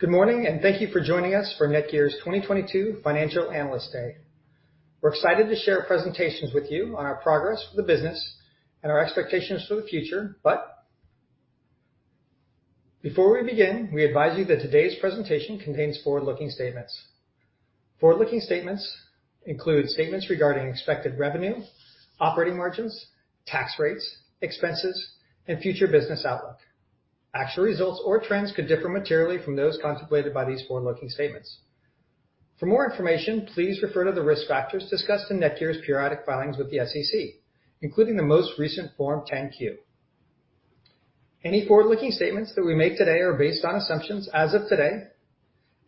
Good morning. Thank you for joining us for NETGEAR's 2022 Financial Analyst Day. We're excited to share presentations with you on our progress for the business and our expectations for the future. Before we begin, we advise you that today's presentation contains forward-looking statements. Forward-looking statements include statements regarding expected revenue, operating margins, tax rates, expenses, and future business outlook. Actual results or trends could differ materially from those contemplated by these forward-looking statements. For more information, please refer to the risk factors discussed in NETGEAR's periodic filings with the SEC, including the most recent Form 10-Q. Any forward-looking statements that we make today are based on assumptions as of today,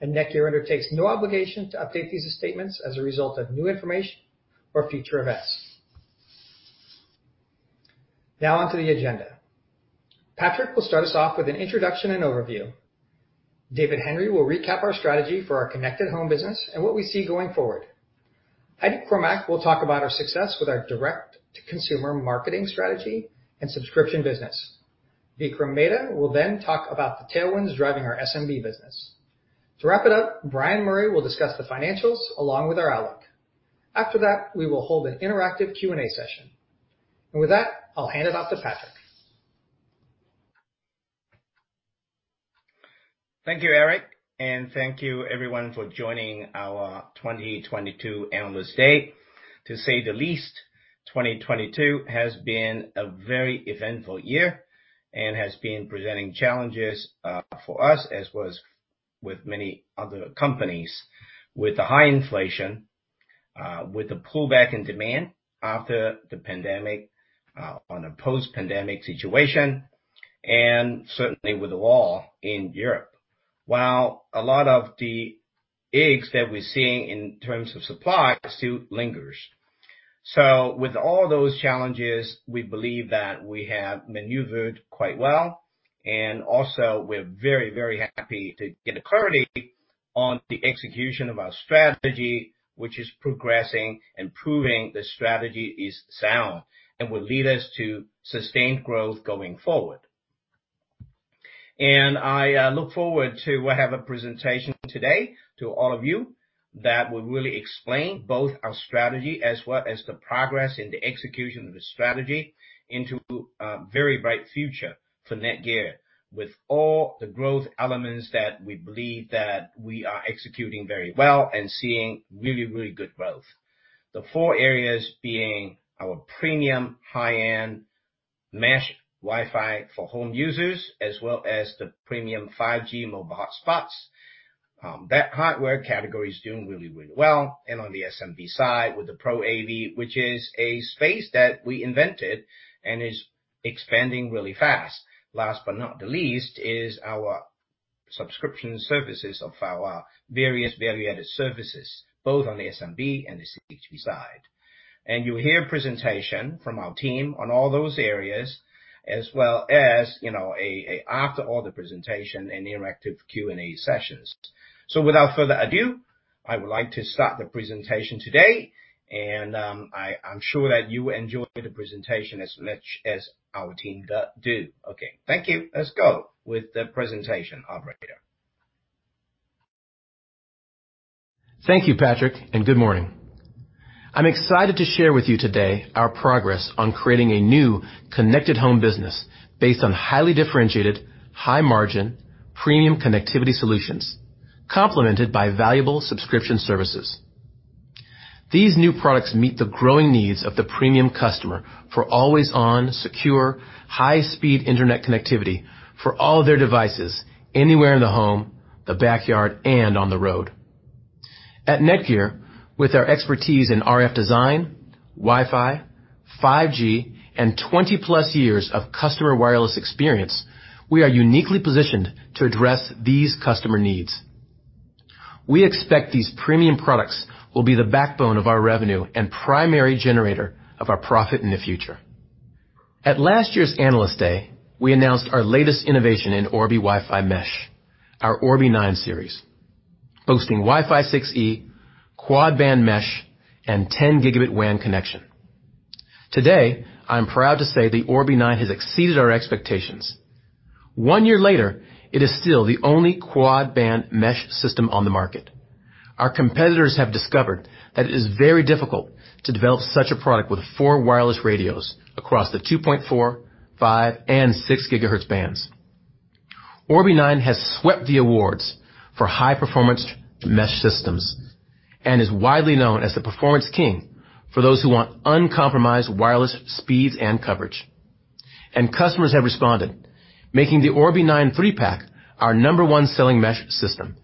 and NETGEAR undertakes no obligation to update these statements as a result of new information or future events. Now on to the agenda. Patrick will start us off with an introduction and overview. David Henry will recap our strategy for our connected home business and what we see going forward. Heidi Cormack will talk about our success with our direct-to-consumer marketing strategy and subscription business. Vikram Mehta will then talk about the tailwinds driving our SMB business. To wrap it up, Bryan Murray will discuss the financials along with our outlook. After that, we will hold an interactive Q&A session. With that, I'll hand it off to Patrick. Thank you, Eric, and thank you everyone for joining our 2022 Analyst Day. To say the least, 2022 has been a very eventful year and has been presenting challenges for us, as was with many other companies. With the high inflation, with the pullback in demand after the pandemic, on a post-pandemic situation, and certainly with the war in Europe. While a lot of the eggs that we're seeing in terms of supply still lingers. With all those challenges, we believe that we have maneuvered quite well, and also we're very, very happy to get clarity on the execution of our strategy, which is progressing and proving the strategy is sound and will lead us to sustained growth going forward. I look forward to have a presentation today to all of you that will really explain both our strategy as well as the progress in the execution of the strategy into a very bright future for NETGEAR, with all the growth elements that we believe that we are executing very well and seeing really, really good growth. The four areas being our premium high-end mesh Wi-Fi for home users, as well as the premium 5G mobile hotspots. That hardware category is doing really, really well. On the SMB side with the ProAV, which is a space that we invented and is expanding really fast. Last but not the least is our subscription services of our various value-added services, both on the SMB and the CH side. You'll hear presentation from our team on all those areas as well as, you know, after all the presentation an interactive Q&A sessions. Without further ado, I would like to start the presentation today and I'm sure that you enjoy the presentation as much as our team does. Okay. Thank you. Let's go with the presentation operator. Thank you, Patrick. Good morning. I'm excited to share with you today our progress on creating a new connected home business based on highly differentiated, high margin, premium connectivity solutions, complemented by valuable subscription services. These new products meet the growing needs of the premium customer for always on, secure, high-speed internet connectivity for all their devices, anywhere in the home, the backyard, and on the road. At NETGEAR, with our expertise in RF design, Wi-Fi, 5G and 20+ years of customer wireless experience, we are uniquely positioned to address these customer needs. We expect these premium products will be the backbone of our revenue and primary generator of our profit in the future. At last year's Analyst Day, we announced our latest innovation in Orbi WiFi Mesh, our Orbi 9 series, WiFi 6E, quad-band mesh, and 10 Gb WAN connection. Today, I'm proud to say the Orbi 9 has exceeded our expectations. One year later, it is still the only quad-band mesh system on the market. Our competitors have discovered that it is very difficult to develop such a product with four wireless radios across the 2.4 GHz, 5 GHz, and 6 GHz bands. Orbi 9 has swept the awards for high performance mesh systems and is widely known as the performance king for those who want uncompromised wireless speeds and coverage. Customers have responded, making the Orbi 9 3-pack our number one selling mesh system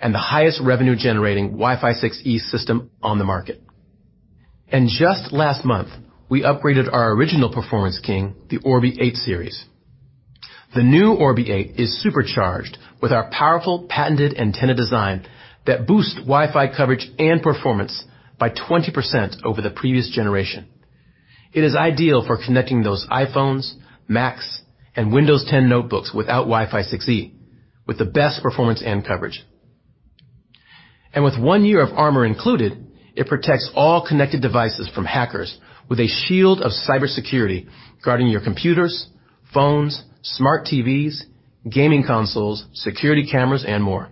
and the highest revenue WiFi 6E system on the market. Just last month, we upgraded our original performance king, the Orbi 8 series. The new Orbi 8 is supercharged with our powerful patented antenna design that boosts Wi-Fi coverage and performance by 20% over the previous generation. It is ideal for connecting those iPhones, Macs, and Windows 10 notebooks WiFi 6E with the best performance and coverage. With one year of Armor included, it protects all connected devices from hackers with a shield of cybersecurity guarding your computers, phones, smart TVs, gaming consoles, security cameras, and more.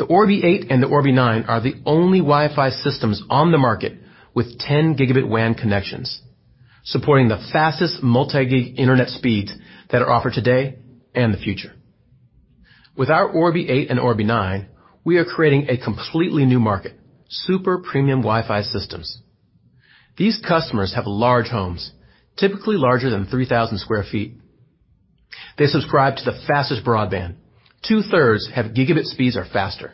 The Orbi 8 and the Orbi 9 are the only Wi-Fi systems on the market with 10 Gb WAN connections, supporting the fastest multi-gig Internet speeds that are offered today and the future. With our Orbi 8 and Orbi 9, we are creating a completely new market, super premium Wi-Fi systems. These customers have large homes, typically larger than 3,000 sq ft. They subscribe to the fastest broadband. 2/3 have gigabit speeds or faster.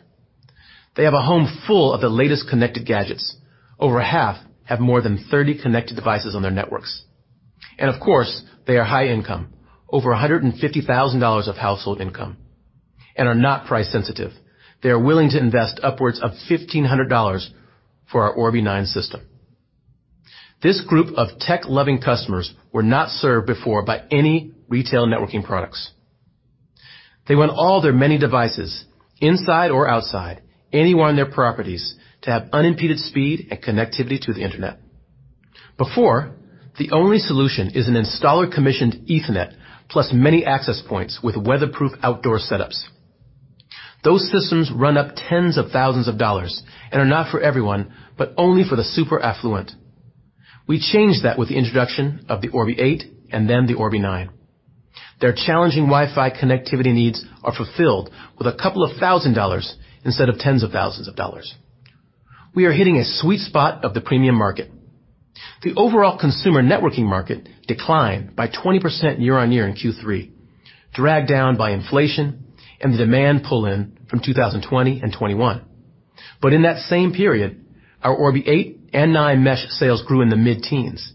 They have a home full of the latest connected gadgets. Over half have more than 30 connected devices on their networks. Of course, they are high income, over $150,000 of household income, and are not price sensitive. They are willing to invest upwards of $1,500 for our Orbi 9 system. This group of tech loving customers were not served before by any retail networking products. They want all their many devices, inside or outside, anywhere on their properties, to have unimpeded speed and connectivity to the Internet. Before, the only solution is an installer-commissioned Ethernet plus many access points with weatherproof outdoor setups. Those systems run up tens of thousands of dollars and are not for everyone, but only for the super affluent. We changed that with the introduction of the Orbi 8 and then the Orbi 9. Their challenging Wi-Fi connectivity needs are fulfilled with a couple of thousand dollars instead of tens of thousands of dollars. We are hitting a sweet spot of the premium market. The overall consumer networking market declined by 20% year-on-year in Q3, dragged down by inflation and the demand pull-in from 2020 and 2021. In that same period, our Orbi 8 and 9 mesh sales grew in the mid-teens,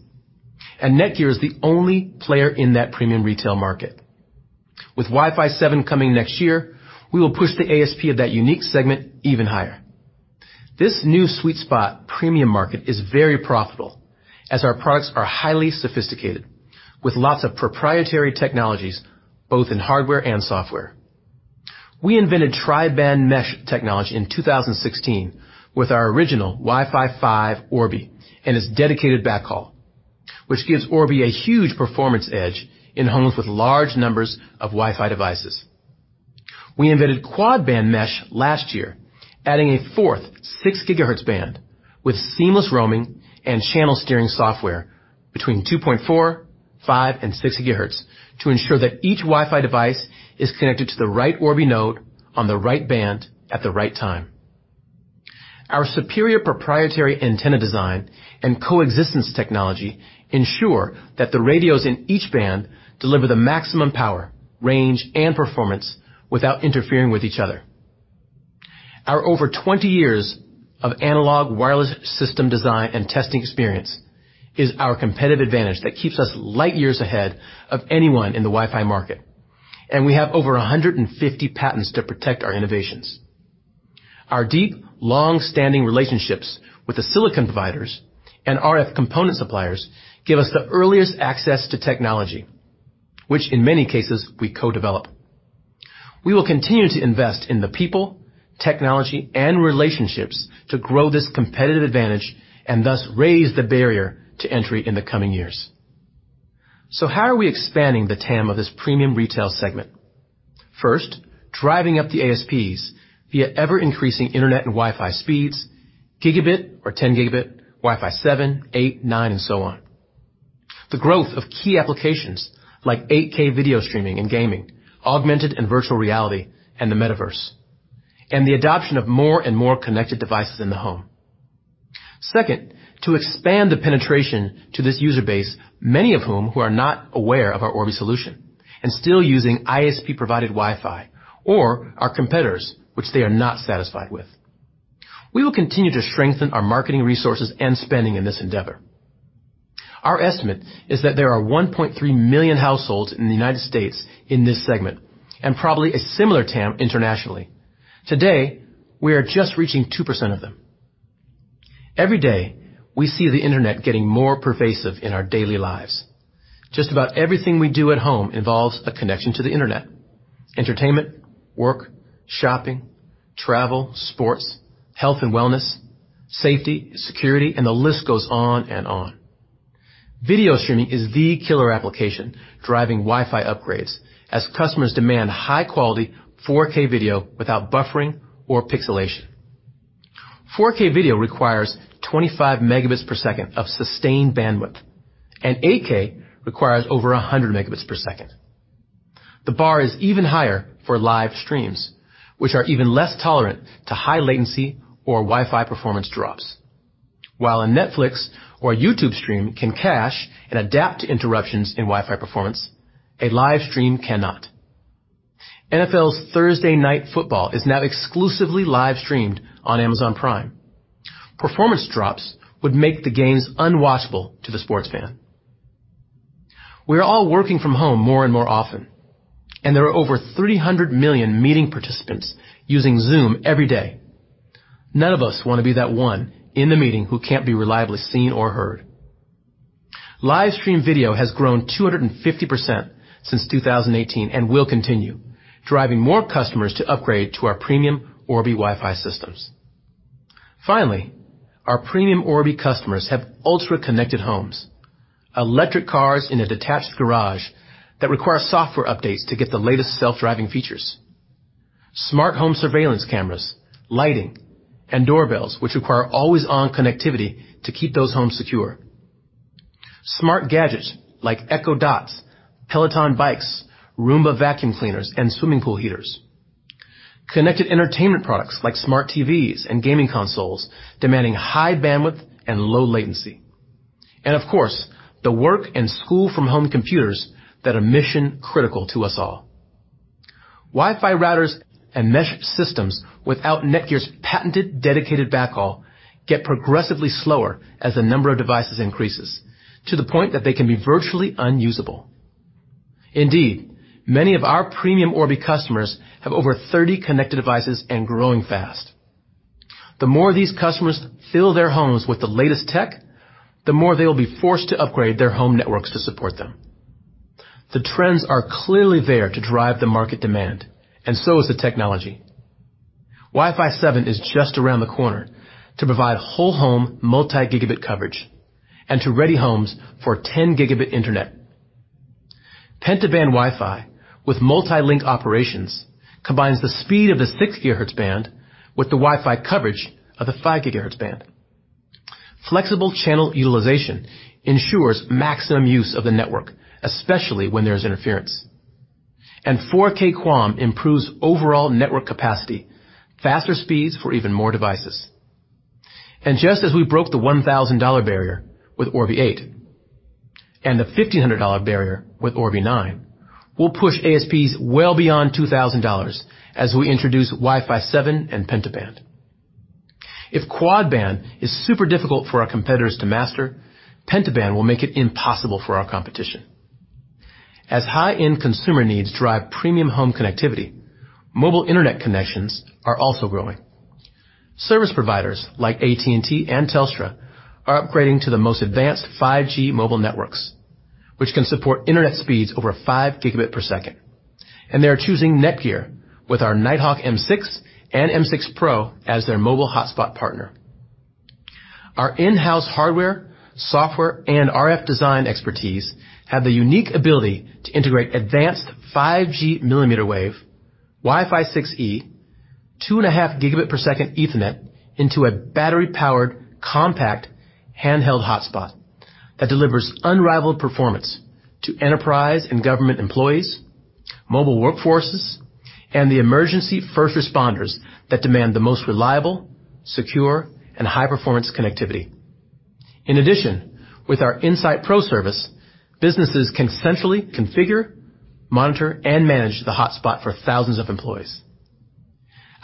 and NETGEAR is the only player in that premium retail market. With WiFi 7 coming next year, we will push the ASP of that unique segment even higher. This new sweet spot premium market is very profitable, as our products are highly sophisticated with lots of proprietary technologies, both in hardware and software. We invented tri-band mesh technology in 2016 with our original WiFi 5 Orbi and its dedicated backhaul, which gives Orbi a huge performance edge in homes with large numbers of Wi-Fi devices. We invented quad-band mesh last year, adding a fourth 6 GHz band with seamless roaming and channel steering software between 2.4 GHz, 5 GHz, and 6 GHz to ensure that each Wi-Fi device is connected to the right Orbi node on the right band at the right time. Our superior proprietary antenna design and coexistence technology ensure that the radios in each band deliver the maximum power, range, and performance without interfering with each other. Our over 20 years of analog wireless system design and testing experience is our competitive advantage that keeps us light years ahead of anyone in the Wi-Fi market. We have over 150 patents to protect our innovations. Our deep, long-standing relationships with the silicon providers and RF component suppliers give us the earliest access to technology, which in many cases we co-develop. We will continue to invest in the people, technology, and relationships to grow this competitive advantage and thus raise the barrier to entry in the coming years. How are we expanding the TAM of this premium retail segment? First, driving up the ASPs via ever-increasing internet and Wi-Fi speeds, gigabit or 10 Gb, WiFi 7, 8, 9, and so on. The growth of key applications like 8K video streaming and gaming, augmented and virtual reality, and the metaverse, and the adoption of more and more connected devices in the home. Second, to expand the penetration to this user base, many of whom are not aware of our Orbi solution and still using ISP-provided Wi-Fi or our competitors, which they are not satisfied with. We will continue to strengthen our marketing resources and spending in this endeavor. Our estimate is that there are 1.3 million households in the United States in this segment, and probably a similar TAM internationally. Today, we are just reaching 2% of them. Every day, we see the Internet getting more pervasive in our daily lives. Just about everything we do at home involves a connection to the Internet: entertainment, work, shopping, travel, sports, health and wellness, safety, security, and the list goes on and on. Video streaming is the killer application driving Wi-Fi upgrades as customers demand high-quality 4K video without buffering or pixelation. 4K video requires 25 Mbps of sustained bandwidth, and 8K requires over 100 Mbps. The bar is even higher for live streams, which are even less tolerant to high latency or Wi-Fi performance drops. While a Netflix or YouTube stream can cache and adapt to interruptions in Wi-Fi performance, a live stream cannot. NFL's Thursday Night Football is now exclusively live-streamed on Amazon Prime. Performance drops would make the games unwatchable to the sports fan. We are all working from home more and more often, and there are over 300 million meeting participants using Zoom every day. None of us want to be that one in the meeting who can't be reliably seen or heard. Live stream video has grown 250% since 2018 and will continue driving more customers to upgrade to our premium Orbi WiFi systems. Finally, our premium Orbi customers have ultra-connected homes, electric cars in a detached garage that require software updates to get the latest self-driving features, smart home surveillance cameras, lighting, and doorbells which require always-on connectivity to keep those homes secure, smart gadgets like Echo Dots, Peloton bikes, Roomba vacuum cleaners, and swimming pool heaters, connected entertainment products like smart TVs and gaming consoles demanding high bandwidth and low latency, and of course, the work and school from home computers that are mission-critical to us all. Wi-Fi routers and mesh systems without NETGEAR's patented dedicated backhaul get progressively slower as the number of devices increases to the point that they can be virtually unusable. Indeed, many of our premium Orbi customers have over 30 connected devices and growing fast. The more these customers fill their homes with the latest tech, the more they will be forced to upgrade their home networks to support them. The trends are clearly there to drive the market demand, and so is the technology. WiFi 7 is just around the corner to provide whole home multi-gigabit coverage and to ready homes for 10 Gb internet. Penta-band Wi-Fi with Multi-Link Operation combines the speed of the 6 GHz band with the Wi-Fi coverage of the 5 GHz band. Flexible channel utilization ensures maximum use of the network, especially when there's interference. 4K QAM improves overall network capacity, faster speeds for even more devices. Just as we broke the $1,000 barrier with Orbi 8 and the $1,500 barrier with Orbi 9, we'll push ASPs well beyond $2,000 as we introduce WiFi 7 and penta-band. If quad-band is super difficult for our competitors to master, penta-band will make it impossible for our competition. As high-end consumer needs drive premium home connectivity, mobile internet connections are also growing. Service providers like AT&T and Telstra are upgrading to the most advanced 5G mobile networks, which can support internet speeds over 5 Gb per second, and they are choosing NETGEAR with our Nighthawk M6 and M6 Pro as their mobile hotspot partner. Our in-house hardware, software, and RF design expertise have the unique ability to integrate advanced 5G WiFi 6E, 2.5 Gb per second Ethernet into a battery powered compact handheld hotspot that delivers unrivaled performance to enterprise and government employees, mobile workforces, and the emergency first responders that demand the most reliable, secure, and high-performance connectivity. In addition, with our Insight Pro service, businesses can centrally configure, monitor, and manage the hotspot for thousands of employees.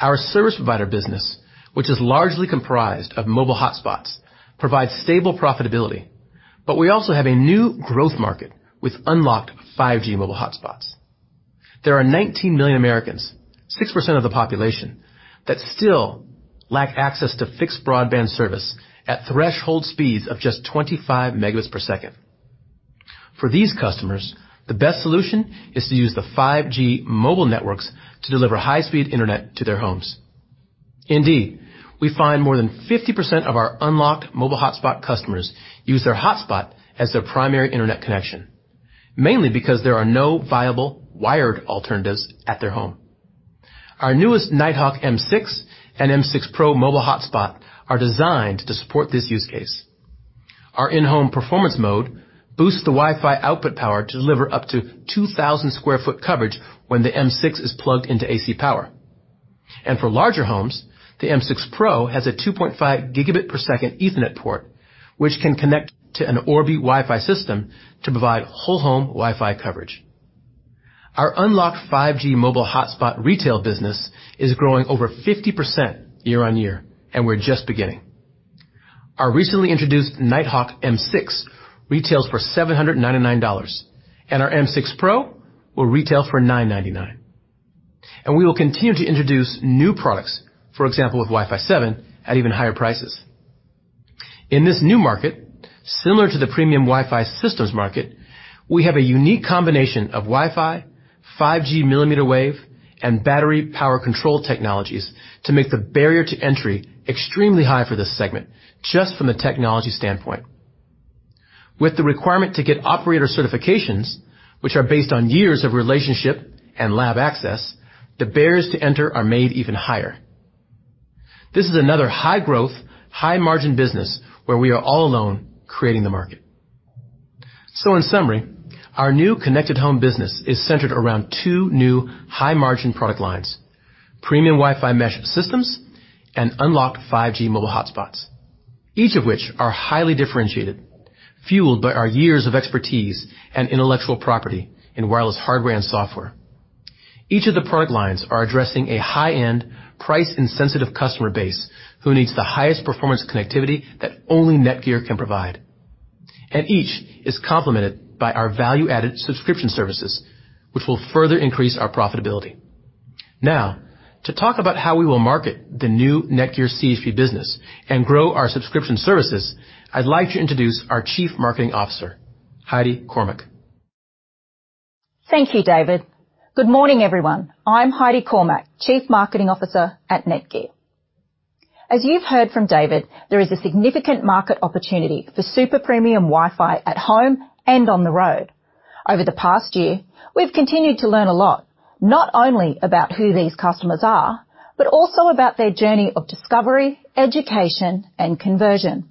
Our service provider business, which is largely comprised of mobile hotspots, provides stable profitability, but we also have a new growth market with unlocked 5G mobile hotspots. There are 19 million Americans, 6% of the population, that still lack access to fixed broadband service at threshold speeds of just 25 Mbps. For these customers, the best solution is to use the 5G mobile networks to deliver high-speed internet to their homes. Indeed, we find more than 50% of our unlocked mobile hotspot customers use their hotspot as their primary internet connection, mainly because there are no viable wired alternatives at their home. Our newest Nighthawk M6 and M6 Pro Mobile Hotspot are designed to support this use case. Our in-home performance mode boosts the Wi-Fi output power to deliver up to 2,000 sq ft coverage when the M6 is plugged into AC power. For larger homes, the M6 Pro has a 2.5 Gbps Ethernet port, which can connect to an Orbi Wi-Fi system to provide whole home Wi-Fi coverage. Our unlocked 5G mobile hotspot retail business is growing over 50% year-over-year, and we're just beginning. Our recently introduced Nighthawk M6 retails for $799, and our M6 Pro will retail for $999. We will continue to introduce new products, for example, with WiFi 7 at even higher prices. In this new market, similar to the premium Wi-Fi systems market, we have a unique combination of Wi-Fi, 5G mmWave, and battery power control technologies to make the barrier to entry extremely high for this segment just from the technology standpoint. With the requirement to get operator certifications, which are based on years of relationship and lab access, the barriers to enter are made even higher. This is another high-growth, high-margin business where we are all alone creating the market. In summary, our new connected home business is centered around two new high-margin product lines: premium Wi-Fi mesh systems and unlocked 5G mobile hotspots, each of which are highly differentiated, fueled by our years of expertise and intellectual property in wireless hardware and software. Each of the product lines are addressing a high-end price insensitive customer base who needs the highest performance connectivity that only NETGEAR can provide. Each is complemented by our value-added subscription services, which will further increase our profitability. To talk about how we will market the new NETGEAR CHP business and grow our subscription services, I'd like to introduce our Chief Marketing Officer, Heidi Cormack. Thank you, David. Good morning, everyone. I'm Heidi Cormack, Chief Marketing Officer at NETGEAR. As you've heard from David, there is a significant market opportunity for super premium Wi-Fi at home and on the road. Over the past year, we've continued to learn a lot, not only about who these customers are, but also about their journey of discovery, education, and conversion.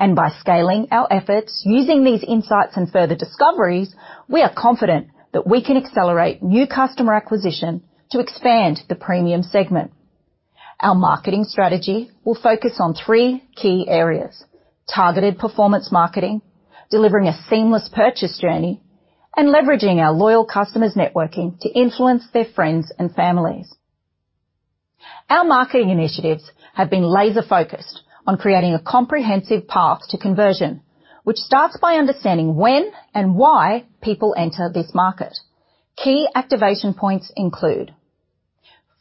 By scaling our efforts using these insights and further discoveries, we are confident that we can accelerate new customer acquisition to expand the premium segment. Our marketing strategy will focus on three key areas: targeted performance marketing, delivering a seamless purchase journey, and leveraging our loyal customers' networking to influence their friends and families. Our marketing initiatives have been laser-focused on creating a comprehensive path to conversion, which starts by understanding when and why people enter this market. Key activation points include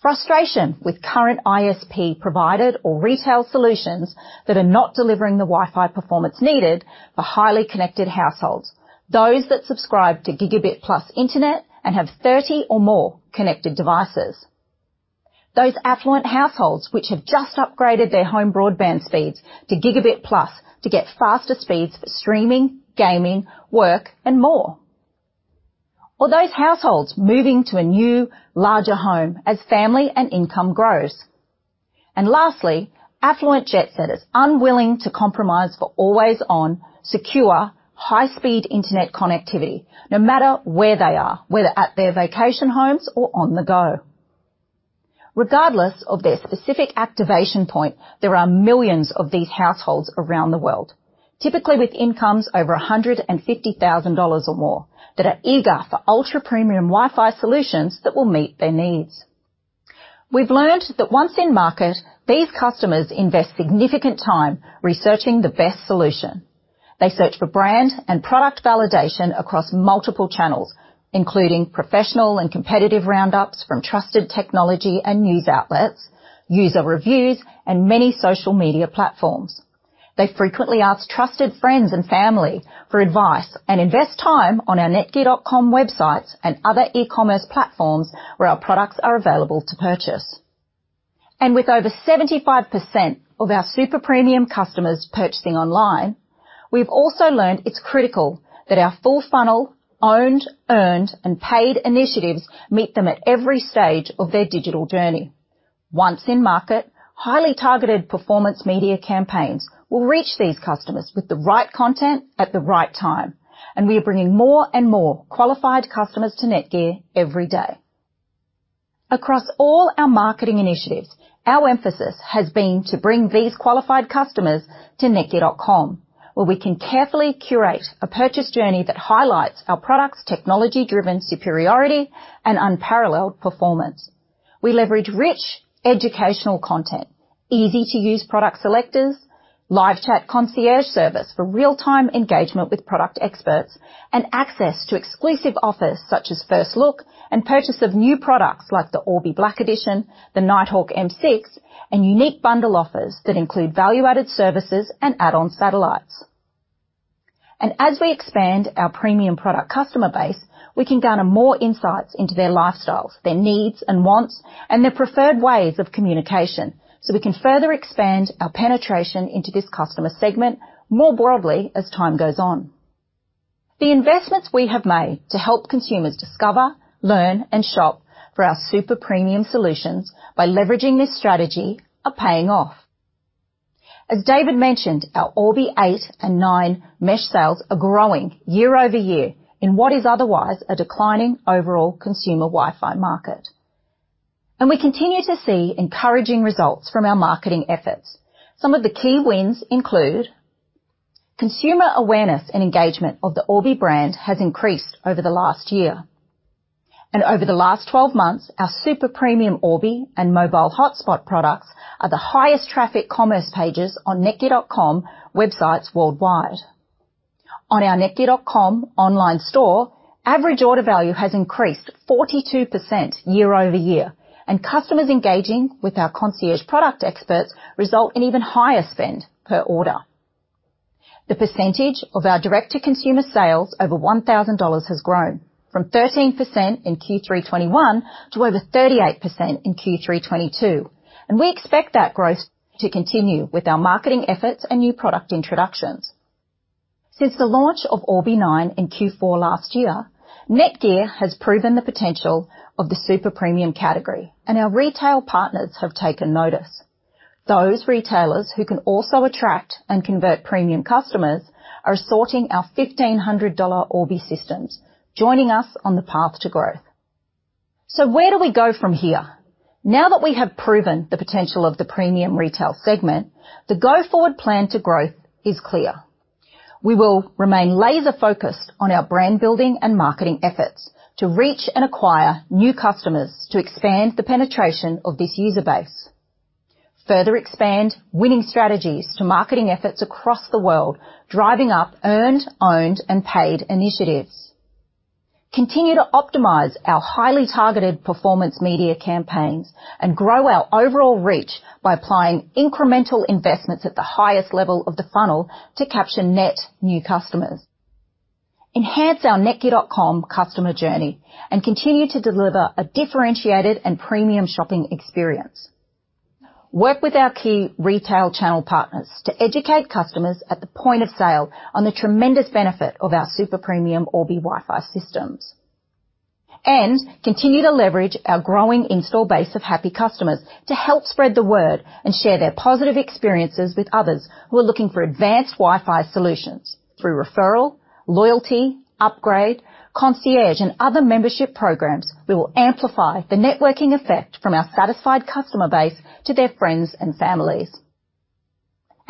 frustration with current ISP-provided or retail solutions that are not delivering the Wi-Fi performance needed for highly connected households, those that subscribe to gigabit-plus internet and have 30 or more connected devices. Those affluent households which have just upgraded their home broadband speeds to gigabit-plus to get faster speeds for streaming, gaming, work, and more. Those households moving to a new, larger home as family and income grows. Lastly, affluent jet-setters unwilling to compromise for always-on, secure, high-speed internet connectivity, no matter where they are, whether at their vacation homes or on the go. Regardless of their specific activation point, there are millions of these households around the world, typically with incomes over $150,000 or more that are eager for ultra-premium Wi-Fi solutions that will meet their needs. We've learned that once in market, these customers invest significant time researching the best solution. They search for brand and product validation across multiple channels, including professional and competitive roundups from trusted technology and news outlets, user reviews, and many social media platforms. They frequently ask trusted friends and family for advice, invest time on our netgear.com websites and other e-commerce platforms where our products are available to purchase. With over 75% of our super premium customers purchasing online, we've also learned it's critical that our full funnel, owned, earned, and paid initiatives meet them at every stage of their digital journey. Once in market, highly targeted performance media campaigns will reach these customers with the right content at the right time, and we are bringing more and more qualified customers to NETGEAR every day. Across all our marketing initiatives, our emphasis has been to bring these qualified customers to netgear.com, where we can carefully curate a purchase journey that highlights our products' technology-driven superiority and unparalleled performance. We leverage rich educational content, easy-to-use product selectors, live chat concierge service for real-time engagement with product experts, and access to exclusive offers such as first look and purchase of new products like the Orbi Black Edition, the Nighthawk M6, and unique bundle offers that include value-added services and add-on satellites. As we expand our premium product customer base, we can gather more insights into their lifestyles, their needs and wants, and their preferred ways of communication, so we can further expand our penetration into this customer segment more broadly as time goes on. The investments we have made to help consumers discover, learn, and shop for our super premium solutions by leveraging this strategy are paying off. As David mentioned, our Orbi 8 and 9 mesh sales are growing year-over-year in what is otherwise a declining overall consumer Wi-Fi market. We continue to see encouraging results from our marketing efforts. Some of the key wins include consumer awareness and engagement of the Orbi brand has increased over the last year. Over the last 12 months, our super premium Orbi and mobile hotspot products are the highest traffic commerce pages on netgear.com websites worldwide. On our netgear.com online store, average order value has increased 42% year-over-year, and customers engaging with our concierge product experts result in even higher spend per order. The percentage of our direct-to-consumer sales over $1,000 has grown from 13% in Q3 2021 to over 38% in Q3 2022. We expect that growth to continue with our marketing efforts and new product introductions. Since the launch of Orbi 9 in Q4 last year, NETGEAR has proven the potential of the super premium category, and our retail partners have taken notice. Those retailers who can also attract and convert premium customers are sorting our $1,500 Orbi systems, joining us on the path to growth. Where do we go from here? Now that we have proven the potential of the premium retail segment, the go-forward plan to growth is clear. We will remain laser-focused on our brand building and marketing efforts to reach and acquire new customers to expand the penetration of this user base. Further expand winning strategies to marketing efforts across the world, driving up earned, owned, and paid initiatives. Continue to optimize our highly targeted performance media campaigns. Grow our overall reach by applying incremental investments at the highest level of the funnel to capture net new customers. Enhance our netgear.com customer journey and continue to deliver a differentiated and premium shopping experience. Work with our key retail channel partners to educate customers at the point of sale on the tremendous benefit of our super premium Orbi Wi-Fi systems. Continue to leverage our growing install base of happy customers to help spread the word and share their positive experiences with others who are looking for advanced Wi-Fi solutions through referral, loyalty, upgrade, concierge, and other membership programs that will amplify the networking effect from our satisfied customer base to their friends and families.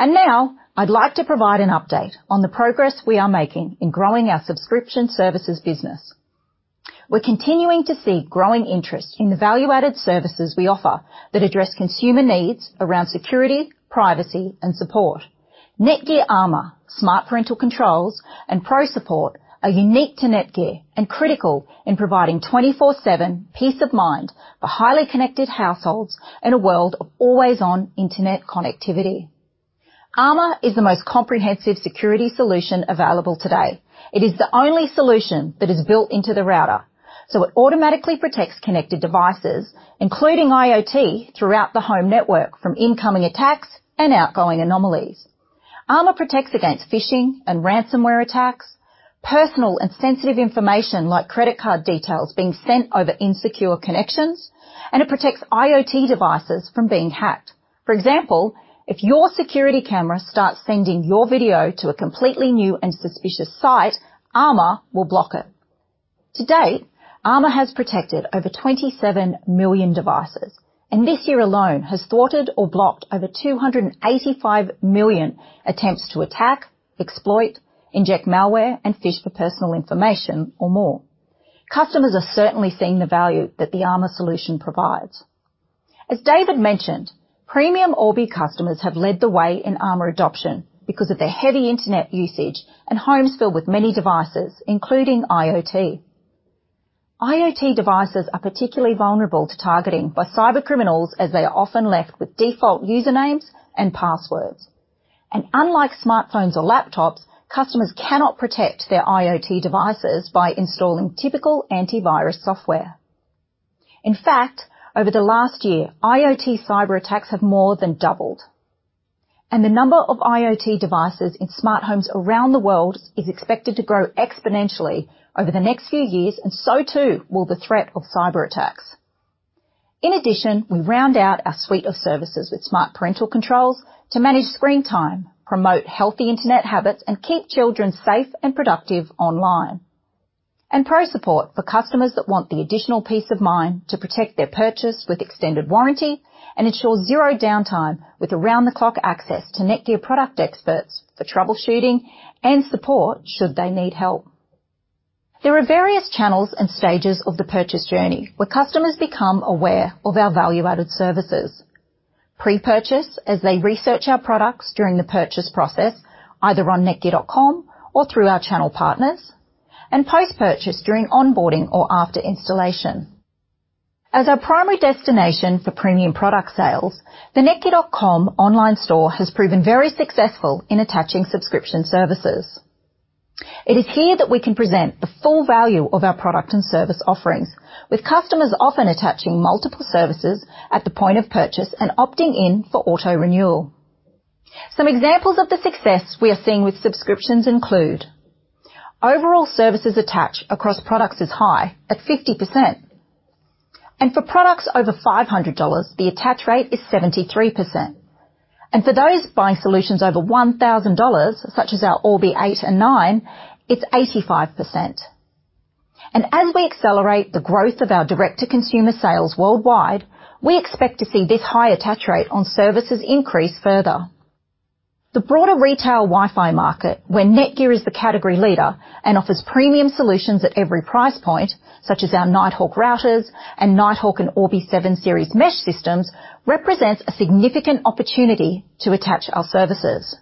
Now I'd like to provide an update on the progress we are making in growing our subscription services business. We're continuing to see growing interest in the value-added services we offer that address consumer needs around security, privacy, and support. NETGEAR Armor, Smart Parental Controls, and ProSupport are unique to NETGEAR and critical in providing 24/7 peace of mind for highly connected households in a world of always-on internet connectivity. Armor is the most comprehensive security solution available today. It is the only solution that is built into the router, so it automatically protects connected devices, including IoT, throughout the home network from incoming attacks and outgoing anomalies. Armor protects against phishing and ransomware attacks, personal and sensitive information like credit card details being sent over insecure connections, and it protects IoT devices from being hacked. For example, if your security camera starts sending your video to a completely new and suspicious site, Armor will block it. To date, Armor has protected over 27 million devices, and this year alone has thwarted or blocked over 285 million attempts to attack, exploit, inject malware, and phish for personal information or more. Customers are certainly seeing the value that the Armor solution provides. As David mentioned, premium Orbi customers have led the way in Armor adoption because of their heavy internet usage and homes filled with many devices, including IoT. IoT devices are particularly vulnerable to targeting by cybercriminals as they are often left with default usernames and passwords. Unlike smartphones or laptops, customers cannot protect their IoT devices by installing typical antivirus software. In fact, over the last year, IoT cyberattacks have more than doubled, and the number of IoT devices in smart homes around the world is expected to grow exponentially over the next few years, and so too will the threat of cyberattacks. In addition, we round out our suite of services with Smart Parental Controls to manage screen time, promote healthy internet habits, and keep children safe and productive online. ProSupport for customers that want the additional peace of mind to protect their purchase with extended warranty and ensure zero downtime with around-the-clock access to NETGEAR product experts for troubleshooting and support should they need help. There are various channels and stages of the purchase journey where customers become aware of our value-added services. Pre-purchase, as they research our products during the purchase process, either on netgear.com or through our channel partners. Post-purchase during onboarding or after installation. As our primary destination for premium product sales, the netgear.com online store has proven very successful in attaching subscription services. It is here that we can present the full value of our product and service offerings, with customers often attaching multiple services at the point of purchase and opting in for auto-renewal. Some examples of the success we are seeing with subscriptions include: Overall services attach across products is high at 50%. For products over $500, the attach rate is 73%. For those buying solutions over $1,000, such as our Orbi 8 and 9, it's 85%. As we accelerate the growth of our direct-to-consumer sales worldwide, we expect to see this high attach rate on services increase further. The broader retail Wi-Fi market, where NETGEAR is the category leader and offers premium solutions at every price point, such as our Nighthawk routers and Nighthawk and Orbi 7 series mesh systems, represents a significant opportunity to attach our services.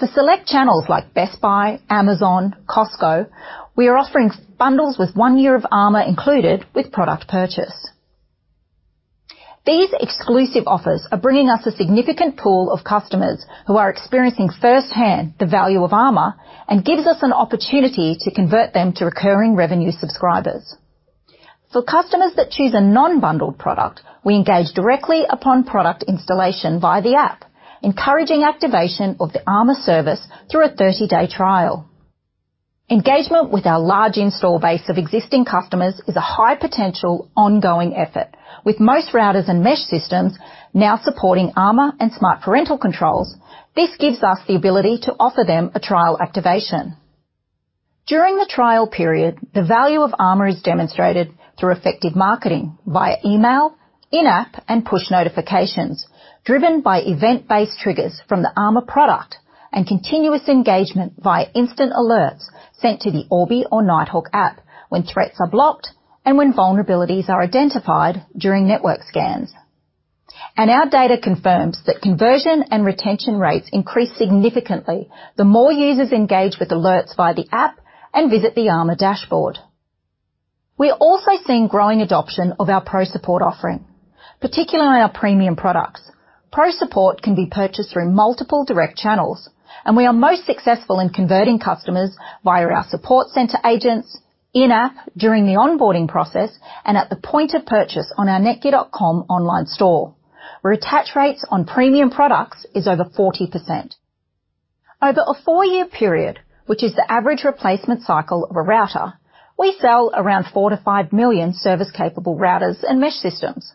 For select channels like Best Buy, Amazon, Costco, we are offering bundles with one year of Armor included with product purchase. These exclusive offers are bringing us a significant pool of customers who are experiencing firsthand the value of Armor and gives us an opportunity to convert them to recurring revenue subscribers. For customers that choose a non-bundled product, we engage directly upon product installation via the app, encouraging activation of the Armor service through a 30-day trial. Engagement with our large install base of existing customers is a high-potential ongoing effort, with most routers and mesh systems now supporting Armor and Smart Parental Controls. This gives us the ability to offer them a trial activation. During the trial period, the value of Armor is demonstrated through effective marketing via email, in-app, and push notifications driven by event-based triggers from the Armor product. Continuous engagement via instant alerts sent to the Orbi or Nighthawk app when threats are blocked and when vulnerabilities are identified during network scans. Our data confirms that conversion and retention rates increase significantly the more users engage with alerts via the app and visit the Armor dashboard. We're also seeing growing adoption of our ProSupport offering, particularly our premium products. ProSupport can be purchased through multiple direct channels, and we are most successful in converting customers via our support center agents, in-app during the onboarding process, and at the point of purchase on our netgear.com online store, where attach rates on premium products is over 40%. Over a four-year period, which is the average replacement cycle of a router, we sell around 4 million-5 million service-capable routers and mesh systems.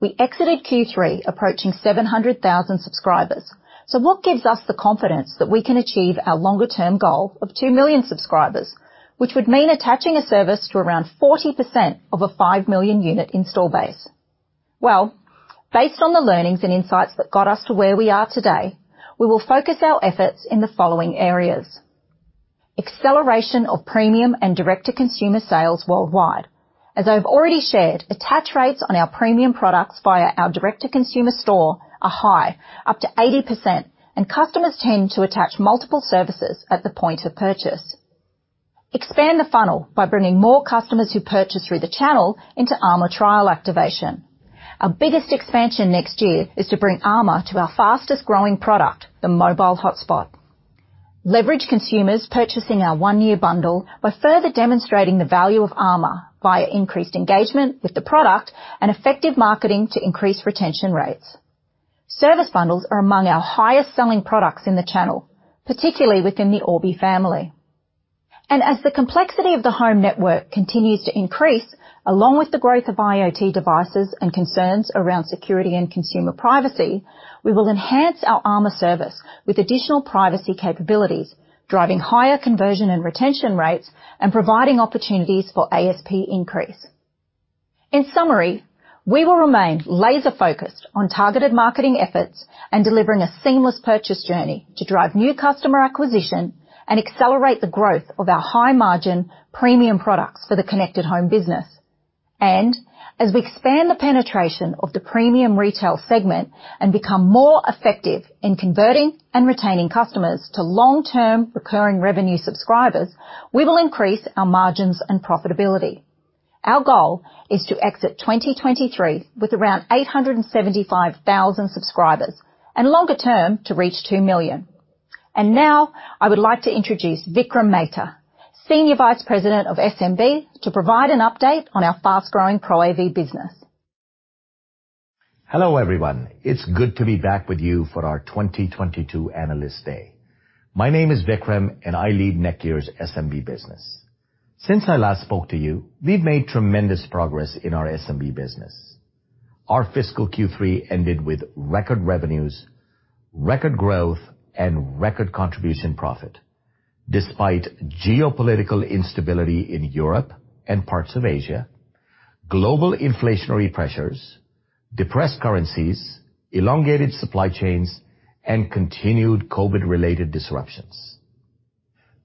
We exited Q3 approaching 700,000 subscribers. What gives us the confidence that we can achieve our longer-term goal of 2 million subscribers, which would mean attaching a service to around 40% of a 5 million unit install base? Based on the learnings and insights that got us to where we are today, we will focus our efforts in the following areas: Acceleration of premium and direct-to-consumer sales worldwide. As I've already shared, attach rates on our premium products via our direct-to-consumer store are high, up to 80%, and customers tend to attach multiple services at the point of purchase. Expand the funnel by bringing more customers who purchase through the channel into Armor trial activation. Our biggest expansion next year is to bring Armor to our fastest-growing product, the mobile hotspot. Leverage consumers purchasing our one-year bundle by further demonstrating the value of Armor via increased engagement with the product and effective marketing to increase retention rates. Service bundles are among our highest-selling products in the channel, particularly within the Orbi family. As the complexity of the home network continues to increase, along with the growth of IoT devices and concerns around security and consumer privacy, we will enhance our Armor service with additional privacy capabilities, driving higher conversion and retention rates and providing opportunities for ASP increase. In summary, we will remain laser-focused on targeted marketing efforts and delivering a seamless purchase journey to drive new customer acquisition and accelerate the growth of our high-margin premium products for the connected home business. As we expand the penetration of the premium retail segment and become more effective in converting and retaining customers to long-term recurring revenue subscribers, we will increase our margins and profitability. Our goal is to exit 2023 with around 875,000 subscribers and longer term to reach 2 million. Now I would like to introduce Vikram Mehta, Senior Vice President of SMB, to provide an update on our fast-growing ProAV business. Hello, everyone. It's good to be back with you for our 2022 Analyst Day. My name is Vikram, and I lead NETGEAR's SMB business. Since I last spoke to you, we've made tremendous progress in our SMB business. Our fiscal Q3 ended with record revenues, record growth, and record contribution profit despite geopolitical instability in Europe and parts of Asia, global inflationary pressures, depressed currencies, elongated supply chains, and continued COVID-related disruptions.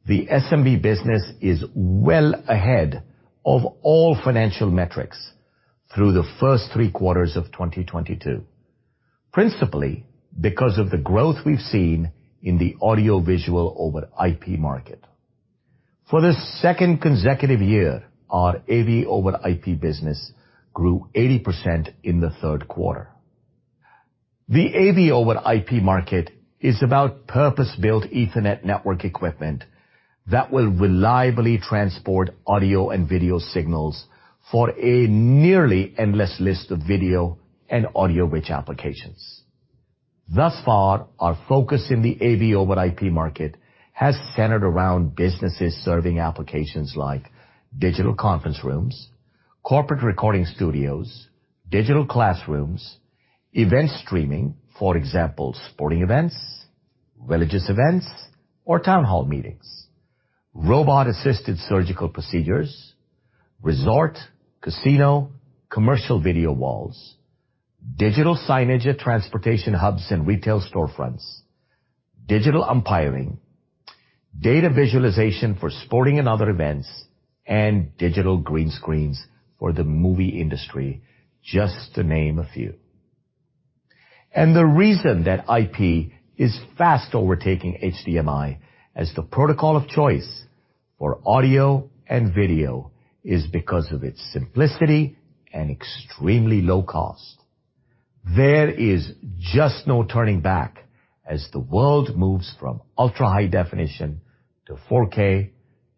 The SMB business is well ahead of all financial metrics through the first three quarters of 2022, principally because of the growth we've seen in the audio-visual over IP market. For the second consecutive year, our AV over IP business grew 80% in the third quarter. The AV over IP market is about purpose-built Ethernet network equipment that will reliably transport audio and video signals for a nearly endless list of video and audio-rich applications. Thus far, our focus in the AV over IP market has centered around businesses serving applications like digital conference rooms, corporate recording studios, digital classrooms, event streaming, for example, sporting events, religious events, or town hall meetings, robot-assisted surgical procedures, resort, casino, commercial video walls, digital signage at transportation hubs and retail storefronts, digital umpiring, data visualization for sporting and other events, and digital green screens for the movie industry, just to name a few. The reason that IP is fast overtaking HDMI as the protocol of choice for audio and video is because of its simplicity and extremely low cost. There is just no turning back as the world moves from ultrahigh definition to 4K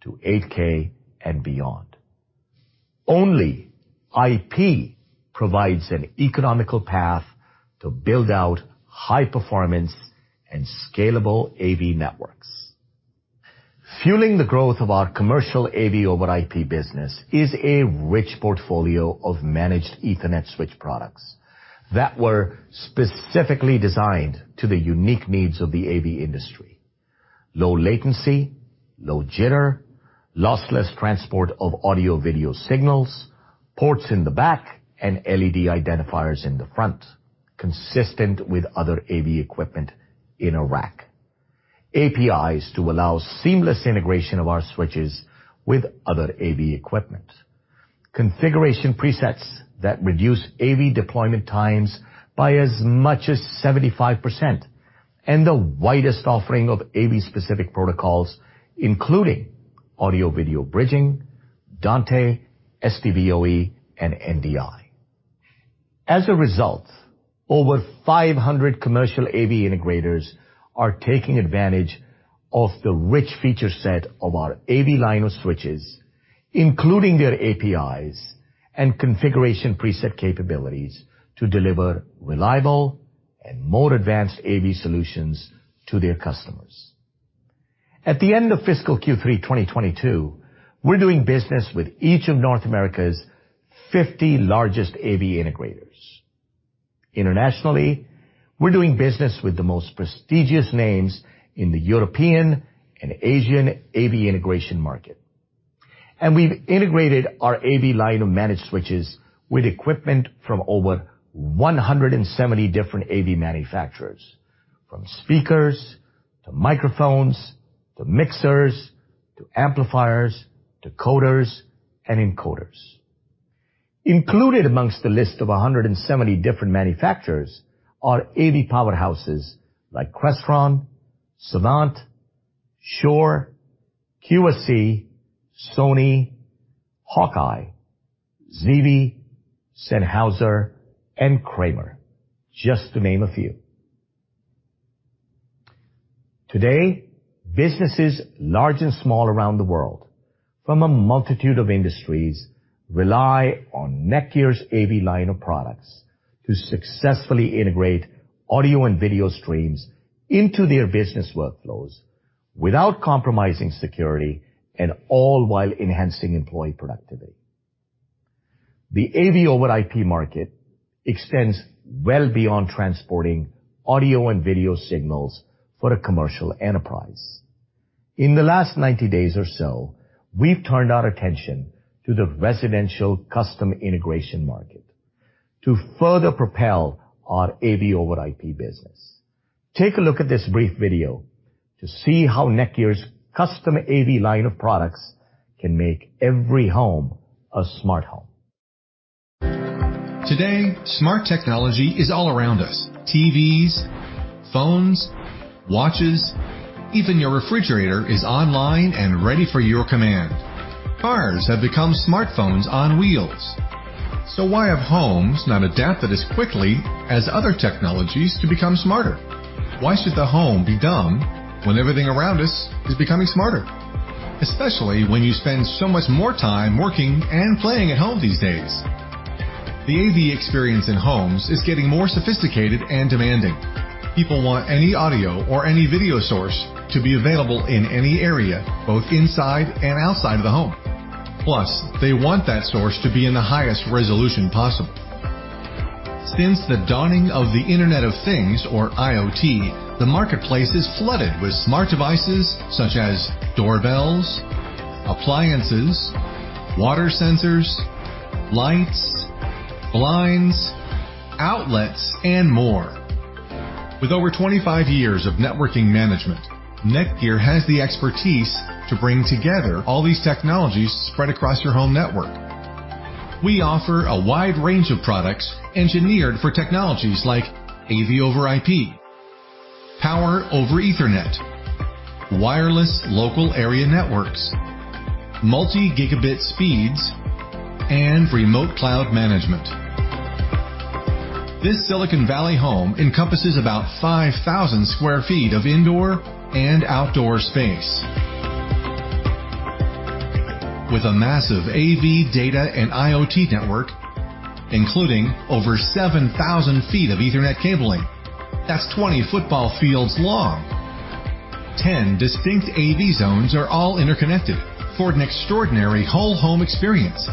to 8K and beyond. Only IP provides an economical path to build out high-performance and scalable AV networks. Fueling the growth of our commercial AV over IP business is a rich portfolio of managed Ethernet switch products that were specifically designed to the unique needs of the AV industry. Low latency, low jitter, lossless transport of audio/video signals, ports in the back and LED identifiers in the front consistent with other AV equipment in a rack. APIs to allow seamless integration of our switches with other AV equipment. Configuration presets that reduce AV deployment times by as much as 75% and the widest offering of AV-specific protocols, including Audio Video Bridging, Dante, SDVoE, and NDI. As a result, over 500 commercial AV integrators are taking advantage of the rich feature set of our AV line of switches, including their APIs and configuration preset capabilities to deliver reliable and more advanced AV solutions to their customers. At the end of fiscal Q3, 2022, we're doing business with each of North America's 50 largest AV integrators. Internationally, we're doing business with the most prestigious names in the European and Asian AV integration market. We've integrated our AV line of managed switches with equipment from over 170 different AV manufacturers from speakers to microphones to mixers to amplifiers to coders and encoders. Included amongst the list of 170 different manufacturers are AV powerhouses like Crestron, Savant, Shure, QSC, Sony, Hawk-Eye, ZeeVee, Sennheiser, and Kramer, just to name a few. Today, businesses large and small around the world from a multitude of industries rely on NETGEAR's AV line of products to successfully integrate audio and video streams into their business workflows without compromising security and all while enhancing employee productivity. The AV over IP market extends well beyond transporting audio and video signals for a commercial enterprise. In the last 90 days or so, we've turned our attention to the residential custom integration market to further propel our AV over IP business. Take a look at this brief video to see how NETGEAR's custom AV line of products can make every home a smart home. Today, smart technology is all around us. TVs, phones, watches, even your refrigerator is online and ready for your command. Cars have become smartphones on wheels. Why have homes not adapted as quickly as other technologies to become smarter? Why should the home be dumb when everything around us is becoming smarter? Especially when you spend so much more time working and playing at home these days. The AV experience in homes is getting more sophisticated and demanding. People want any audio or any video source to be available in any area, both inside and outside the home. Plus, they want that source to be in the highest resolution possible. Since the dawning of the Internet of Things or IoT, the marketplace is flooded with smart devices such as doorbells, appliances, water sensors, lights, blinds, outlets, and more. With over 25 years of networking management, NETGEAR has the expertise to bring together all these technologies spread across your home network. We offer a wide range of products engineered for technologies like AV over IP, Power over Ethernet, wireless local area networks, multi-gigabit speeds, and remote cloud management. This Silicon Valley home encompasses about 5,000 sq ft of indoor and outdoor space with a massive AV data and IoT network, including over 7,000 ft of Ethernet cabling. That's 20 football fields long. 10 distinct AV zones are all interconnected for an extraordinary whole home experience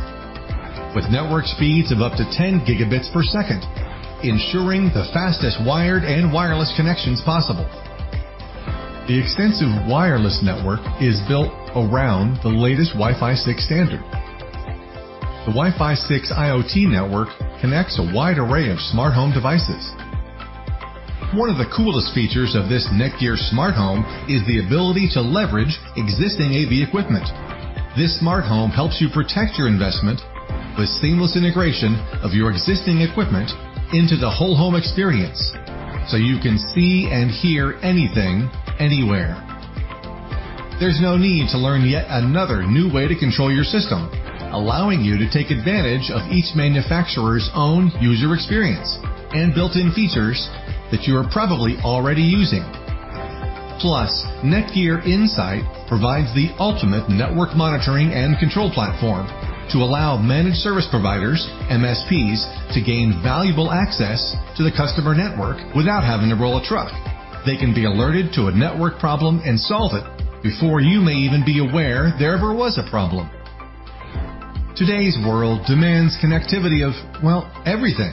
with network speeds of up to 10 Gbs per second, ensuring the fastest wired and wireless connections possible. The extensive wireless network is built around the latest WiFi 6 standard. The WiFi 6 IoT network connects a wide array of smart home devices. One of the coolest features of this NETGEAR smart home is the ability to leverage existing AV equipment. This smart home helps you protect your investment with seamless integration of your existing equipment into the whole home experience, so you can see and hear anything, anywhere. There's no need to learn yet another new way to control your system, allowing you to take advantage of each manufacturer's own user experience and built-in features that you are probably already using. NETGEAR Insight provides the ultimate network monitoring and control platform to allow managed service providers, MSPs, to gain valuable access to the customer network without having to roll a truck. They can be alerted to a network problem and solve it before you may even be aware there ever was a problem. Today's world demands connectivity of, well, everything.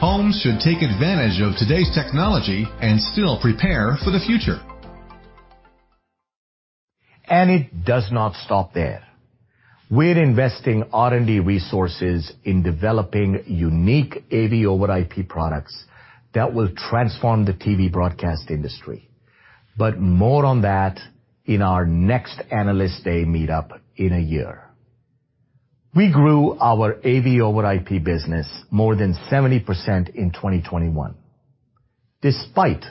Homes should take advantage of today's technology and still prepare for the future. It does not stop there. We're investing R&D resources in developing unique AV over IP products that will transform the TV broadcast industry. More on that in our next Analyst Day meetup in a year. We grew our AV over IP business more than 70% in 2021, despite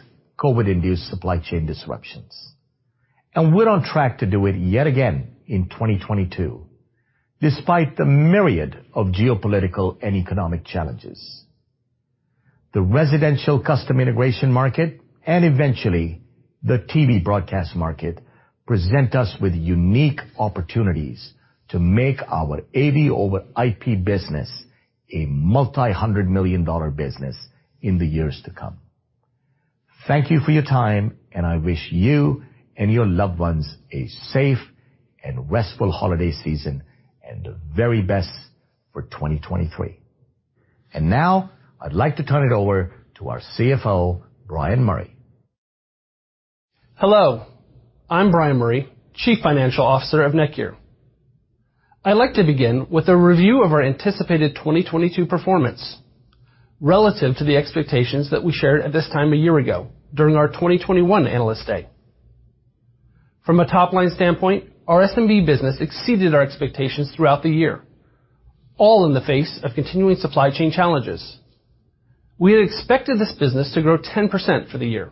COVID-induced supply chain disruptions. We're on track to do it yet again in 2022, despite the myriad of geopolitical and economic challenges. The residential custom integration market and eventually the TV broadcast market present us with unique opportunities to make our AV over IP business a multi-hundred million dollar business in the years to come. Thank you for your time, and I wish you and your loved ones a safe and restful holiday season and the very best for 2023. Now I'd like to turn it over to our CFO, Bryan Murray. Hello, I'm Bryan Murray, Chief Financial Officer of NETGEAR. I'd like to begin with a review of our anticipated 2022 performance relative to the expectations that we shared at this time a year ago during our 2021 Analyst Day. From a top-line standpoint, our SMB business exceeded our expectations throughout the year, all in the face of continuing supply chain challenges. We had expected this business to grow 10% for the year,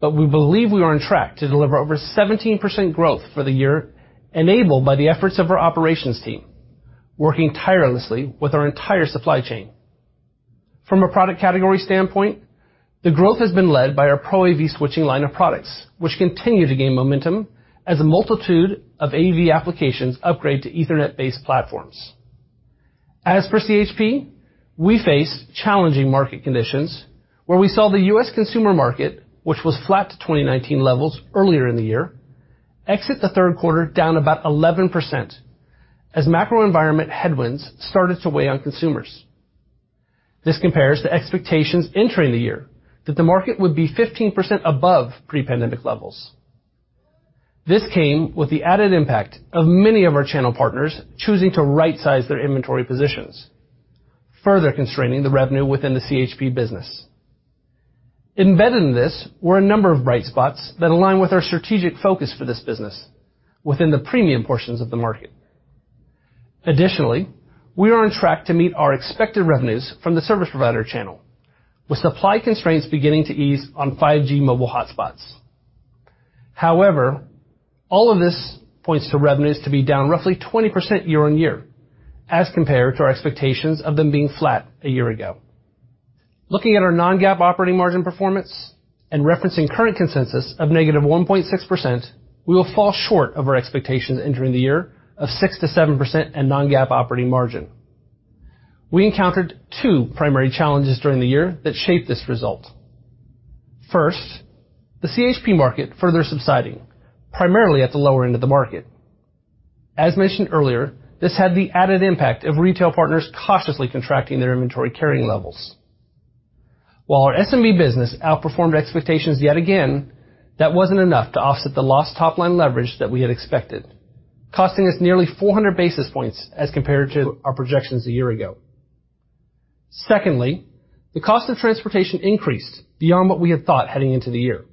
we believe we are on track to deliver over 17% growth for the year, enabled by the efforts of our operations team working tirelessly with our entire supply chain. From a product category standpoint, the growth has been led by our ProAV switching line of products, which continue to gain momentum as a multitude of AV applications upgrade to Ethernet-based platforms. As for CHP, we face challenging market conditions where we saw the U.S. consumer market, which was flat to 2019 levels earlier in the year, exit the third quarter down about 11% as macro environment headwinds started to weigh on consumers. This compares to expectations entering the year that the market would be 15% above pre-pandemic levels. This came with the added impact of many of our channel partners choosing to right-size their inventory positions, further constraining the revenue within the CHP business. Embedded in this were a number of bright spots that align with our strategic focus for this business within the premium portions of the market. We are on track to meet our expected revenues from the service provider channel, with supply constraints beginning to ease on 5G mobile hotspots. All of this points to revenues to be down roughly 20% year-on-year as compared to our expectations of them being flat a year ago. Looking at our non-GAAP operating margin performance and referencing current consensus of -1.6%, we will fall short of our expectations entering the year of 6%-7% and non-GAAP operating margin. We encountered two primary challenges during the year that shaped this result. First, the CHP market further subsiding, primarily at the lower end of the market. As mentioned earlier, this had the added impact of retail partners cautiously contracting their inventory carrying levels. While our SMB business outperformed expectations yet again, that wasn't enough to offset the lost top-line leverage that we had expected, costing us nearly 400 basis points as compared to our projections a year ago. Secondly, the cost of transportation increased beyond what we had thought heading into the year.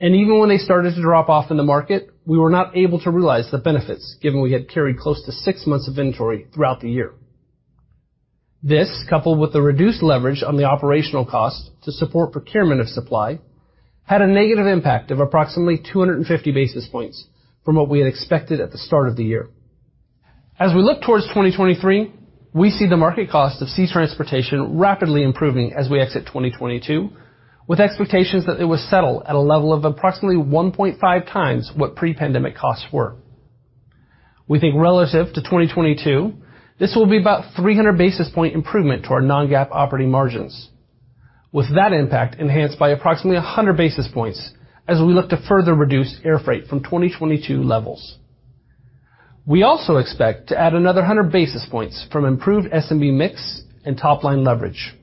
Even when they started to drop off in the market, we were not able to realize the benefits, given we had carried close to six months of inventory throughout the year. This, coupled with the reduced leverage on the operational cost to support procurement of supply, had a negative impact of approximately 250 basis points from what we had expected at the start of the year. As we look towards 2023, we see the market cost of sea transportation rapidly improving as we exit 2022, with expectations that it will settle at a level of approximately 1.5x what pre-pandemic costs were. We think relative to 2022, this will be about 300 basis point improvement to our non-GAAP operating margins, with that impact enhanced by approximately 100 basis points as we look to further reduce air freight from 2022 levels. We also expect to add another 100 basis points from improved SMB mix and top-line leverage.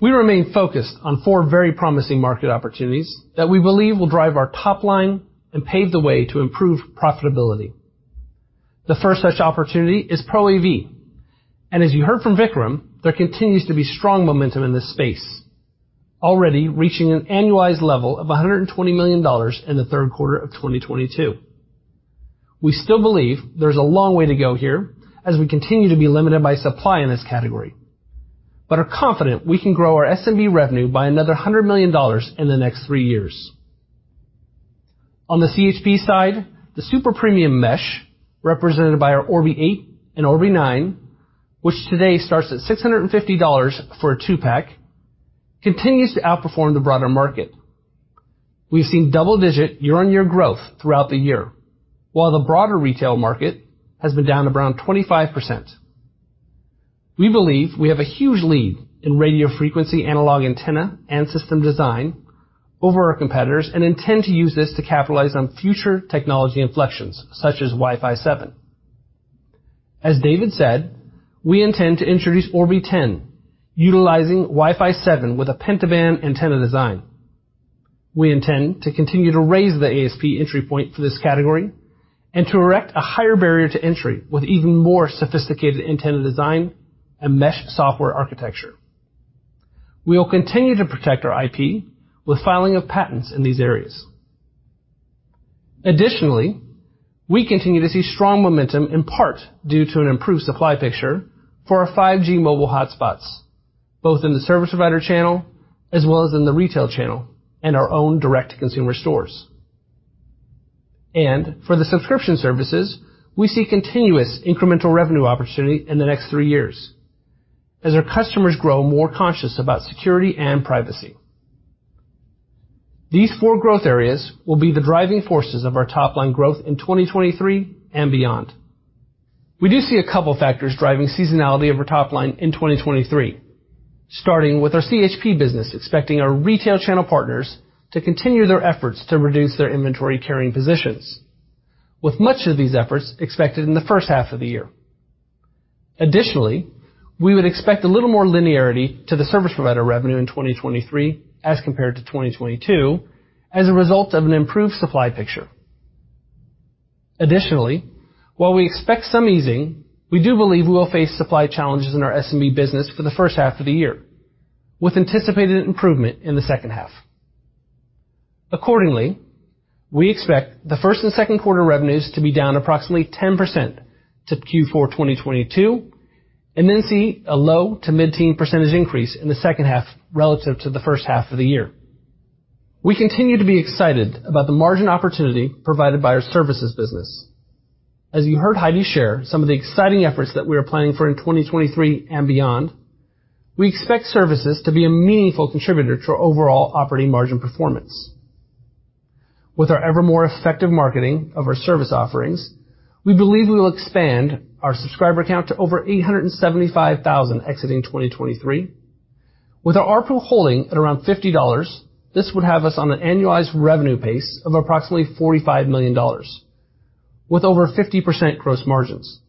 We remain focused on four very promising market opportunities that we believe will drive our top line and pave the way to improve profitability. The first such opportunity is ProAV. As you heard from Vikram, there continues to be strong momentum in this space, already reaching an annualized level of $120 million in the third quarter of 2022. We still believe there's a long way to go here as we continue to be limited by supply in this category, but are confident we can grow our SMB revenue by another $100 million in the next three years. On the CHP side, the super premium mesh represented by our Orbi 8 and Orbi 9, which today starts at $650 for a 2-pack, continues to outperform the broader market. We've seen double-digit year-on-year growth throughout the year, while the broader retail market has been down around 25%. We believe we have a huge lead in radio frequency analog antenna and system design over our competitors and intend to use this to capitalize on future technology inflections such as WiFi 7. As David said, we intend to introduce Orbi ten utilizing WiFi 7 with a penta-band antenna design. We intend to continue to raise the ASP entry point for this category and to erect a higher barrier to entry with even more sophisticated antenna design and mesh software architecture. We will continue to protect our IP with filing of patents in these areas. Additionally, we continue to see strong momentum, in part due to an improved supply picture for our 5G mobile hotspots, both in the service provider channel as well as in the retail channel and our own direct-to-consumer stores. For the subscription services, we see continuous incremental revenue opportunity in the next three years as our customers grow more conscious about security and privacy. These four growth areas will be the driving forces of our top line growth in 2023 and beyond. We do see a couple factors driving seasonality of our top line in 2023, starting with our CHP business, expecting our retail channel partners to continue their efforts to reduce their inventory carrying positions with much of these efforts expected in the first half of the year. Additionally, we would expect a little more linearity to the service provider revenue in 2023 as compared to 2022 as a result of an improved supply picture. Additionally, while we expect some easing, we do believe we will face supply challenges in our SMB business for the first half of the year with anticipated improvement in the second half. Accordingly, we expect the first and second quarter revenues to be down approximately 10% to Q4 2022 and then see a low to mid-teen percent increase in the second half relative to the first half of the year. We continue to be excited about the margin opportunity provided by our services business. You heard Heidi share some of the exciting efforts that we are planning for in 2023 and beyond, we expect services to be a meaningful contributor to our overall operating margin performance. With our ever more effective marketing of our service offerings, we believe we will expand our subscriber count to over 875,000 exiting 2023. With our ARPU holding at around $50, this would have us on an annualized revenue pace of approximately $45 million with over 50% gross margins.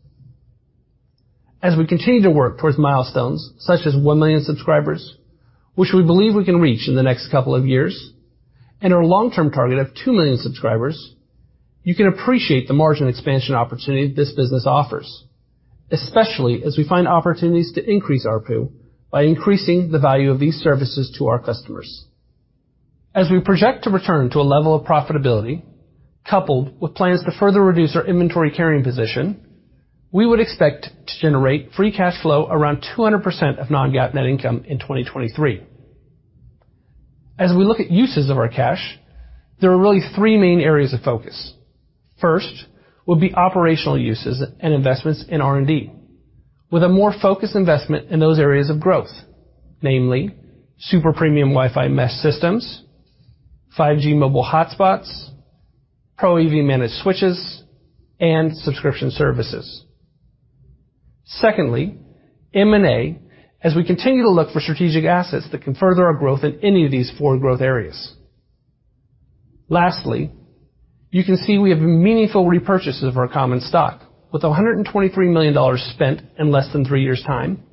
As we continue to work towards milestones such as 1 million subscribers, which we believe we can reach in the next couple of years, and our long-term target of 2 million subscribers, you can appreciate the margin expansion opportunity this business offers, especially as we find opportunities to increase ARPU by increasing the value of these services to our customers. As we project to return to a level of profitability coupled with plans to further reduce our inventory carrying position, we would expect to generate free cash flow around 200% of non-GAAP net income in 2023. As we look at uses of our cash, there are really three main areas of focus. First will be operational uses and investments in R&D with a more focused investment in those areas of growth, namely super premium Wi-Fi mesh systems, 5G mobile hotspots, ProAV managed switches, and subscription services. Secondly, M&A, as we continue to look for strategic assets that can further our growth in any of these four growth areas. Lastly, you can see we have meaningful repurchases of our common stock with $123 million spent in less than three years time,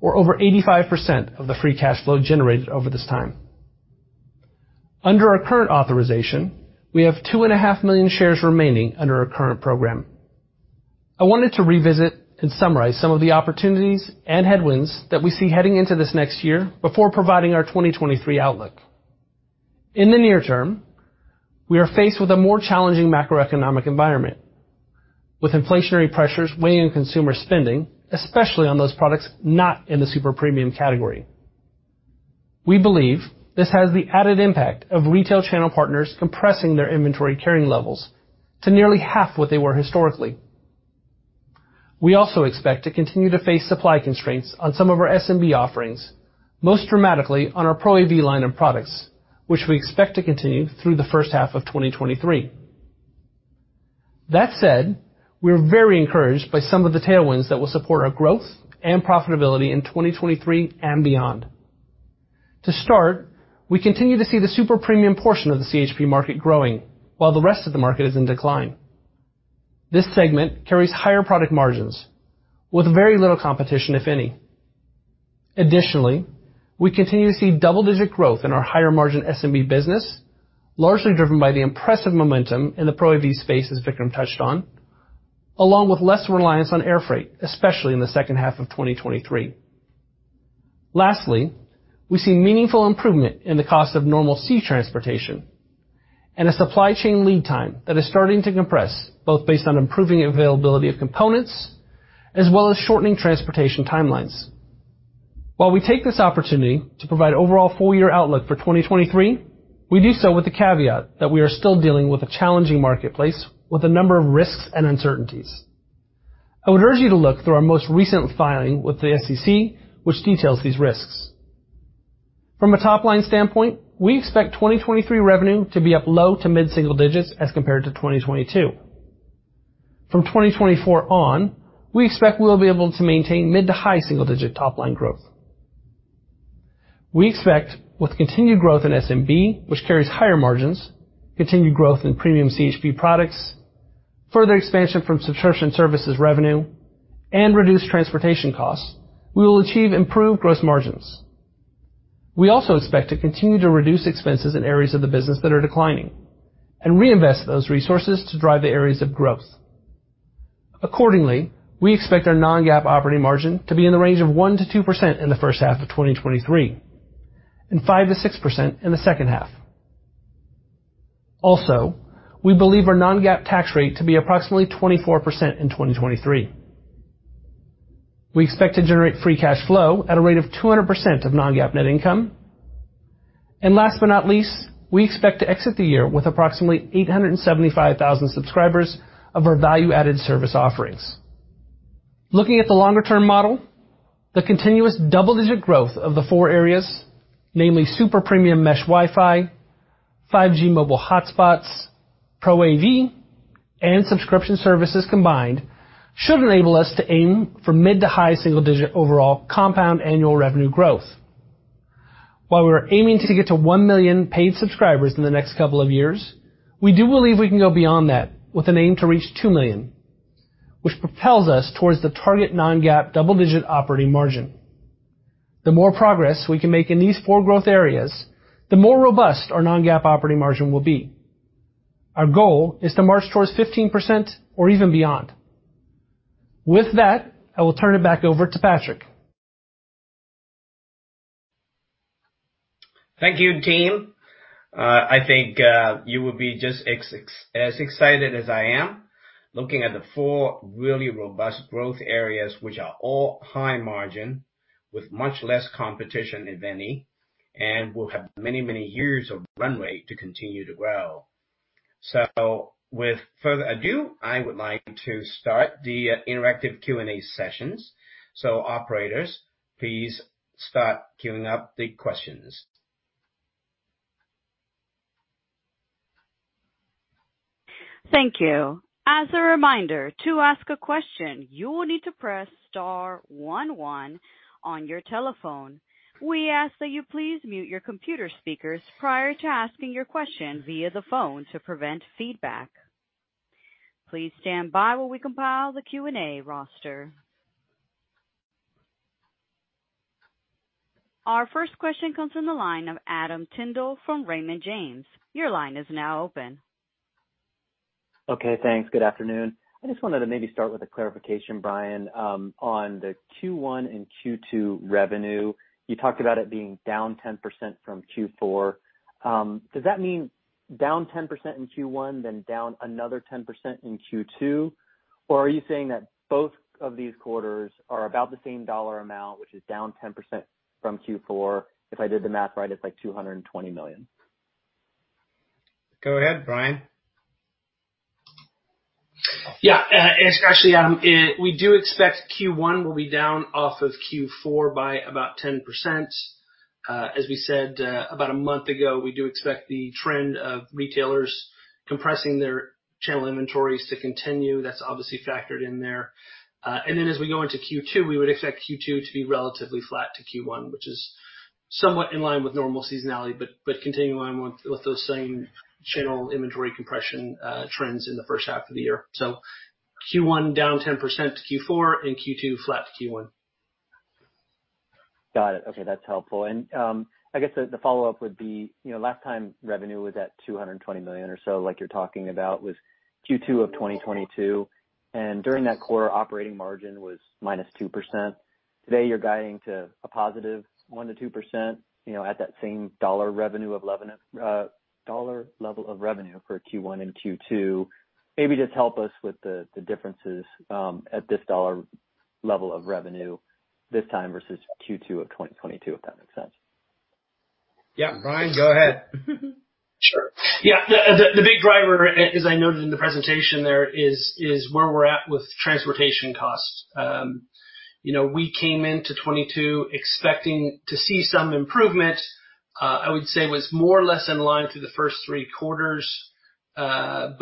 or over 85% of the free cash flow generated over this time. Under our current authorization, we have 2.5 million shares remaining under our current program. I wanted to revisit and summarize some of the opportunities and headwinds that we see heading into this next year before providing our 2023 outlook. In the near term, we are faced with a more challenging macroeconomic environment with inflationary pressures weighing on consumer spending, especially on those products not in the super premium category. We believe this has the added impact of retail channel partners compressing their inventory carrying levels to nearly half what they were historically. We also expect to continue to face supply constraints on some of our SMB offerings, most dramatically on our ProAV line of products, which we expect to continue through the first half of 2023. That said, we are very encouraged by some of the tailwinds that will support our growth and profitability in 2023 and beyond. To start, we continue to see the super premium portion of the CHP market growing while the rest of the market is in decline. This segment carries higher product margins with very little competition, if any. Additionally, we continue to see double-digit growth in our higher margin SMB business, largely driven by the impressive momentum in the ProAV space, as Vikram touched on, along with less reliance on air freight, especially in the second half of 2023. Lastly, we see meaningful improvement in the cost of normal sea transportation and a supply chain lead time that is starting to compress both based on improving availability of components as well as shortening transportation timelines. While we take this opportunity to provide overall full year outlook for 2023, we do so with the caveat that we are still dealing with a challenging marketplace with a number of risks and uncertainties. I would urge you to look through our most recent filing with the SEC which details these risks. From a top-line standpoint, we expect 2023 revenue to be up low to mid-single digits% as compared to 2022. From 2024 on, we expect we'll be able to maintain mid to high single digit% top-line growth. We expect with continued growth in SMB, which carries higher margins, continued growth in premium CHP products, further expansion from subscription services revenue, and reduced transportation costs, we will achieve improved gross margins. We also expect to continue to reduce expenses in areas of the business that are declining and reinvest those resources to drive the areas of growth. Accordingly, we expect our non-GAAP operating margin to be in the range of 1%-2% in the first half of 2023 and 5%-6% in the second half. We believe our non-GAAP tax rate to be approximately 24% in 2023. We expect to generate free cash flow at a rate of 200% of non-GAAP net income. Last but not least, we expect to exit the year with approximately 875,000 subscribers of our value-added service offerings. Looking at the longer-term model, the continuous double-digit growth of the four areas, namely super premium mesh Wi-Fi, 5G mobile hotspots, ProAV, and subscription services combined, should enable us to aim for mid to high single-digit overall compound annual revenue growth. While we're aiming to get to 1 million paid subscribers in the next couple of years, we do believe we can go beyond that with an aim to reach 2 million, which propels us towards the target non-GAAP double-digit operating margin. The more progress we can make in these four growth areas, the more robust our non-GAAP operating margin will be. Our goal is to march towards 15% or even beyond. With that, I will turn it back over to Patrick. Thank you, team. I think, you will be just as excited as I am looking at the four really robust growth areas which are all high margin with much less competition, if any, and we'll have many years of runway to continue to grow. With further ado, I would like to start the interactive Q&A sessions. Operators, please start queuing up the questions. Thank you. As a reminder, to ask a question, you will need to press star one one on your telephone. We ask that you please mute your computer speakers prior to asking your question via the phone to prevent feedback. Please stand by while we compile the Q&A roster. Our first question comes from the line of Adam Tindle from Raymond James. Your line is now open. Okay, thanks. Good afternoon. I just wanted to maybe start with a clarification, Bryan, on the Q1 and Q2 revenue. You talked about it being down 10% from Q4. Does that mean down 10% in Q1, then down another 10% in Q2? Are you saying that both of these quarters are about the same dollar amount, which is down 10% from Q4? If I did the math right, it's like $220 million. Go ahead, Bryan. Yeah. It's actually, Adam, we do expect Q1 will be down off of Q4 by about 10%. As we said, about a month ago, we do expect the trend of retailers compressing their channel inventories to continue. That's obviously factored in there. Then as we go into Q2, we would expect Q2 to be relatively flat to Q1, which is somewhat in line with normal seasonality, but continuing on with those same channel inventory compression trends in the first half of the year. Q1 down 10% to Q4 and Q2 flat to Q1. Got it. Okay, that's helpful. I guess the follow-up would be, you know, last time revenue was at $220 million or so, like you're talking about, was Q2 of 2022, and during that quarter, operating margin was -2%. Today, you're guiding to a +1% to +2%, you know, at that same dollar revenue of dollar level of revenue for Q1 and Q2. Maybe just help us with the differences, at this dollar level of revenue this time versus Q2 of 2022, if that makes sense. Yeah. Bryan, go ahead. Sure. Yeah. The big driver, as I noted in the presentation there, is where we're at with transportation costs. you know, we came into 2022 expecting to see some improvement. I would say it was more or less in line through the first three quarters. A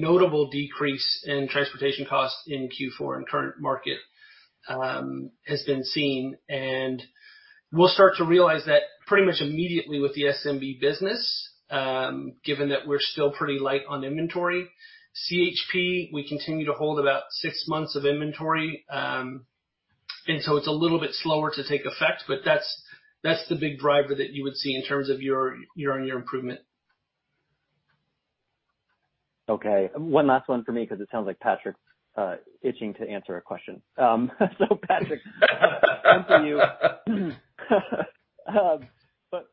notable decrease in transportation costs in Q4 and current market has been seen. We'll start to realize that pretty much immediately with the SMB business given that we're still pretty light on inventory. CHP we continue to hold about six months of inventory. It's a little bit slower to take effect, but that's the big driver that you would see in terms of year-over-year improvement. Okay. One last one for me, because it sounds like Patrick's itching to answer a question. Patrick, one for you.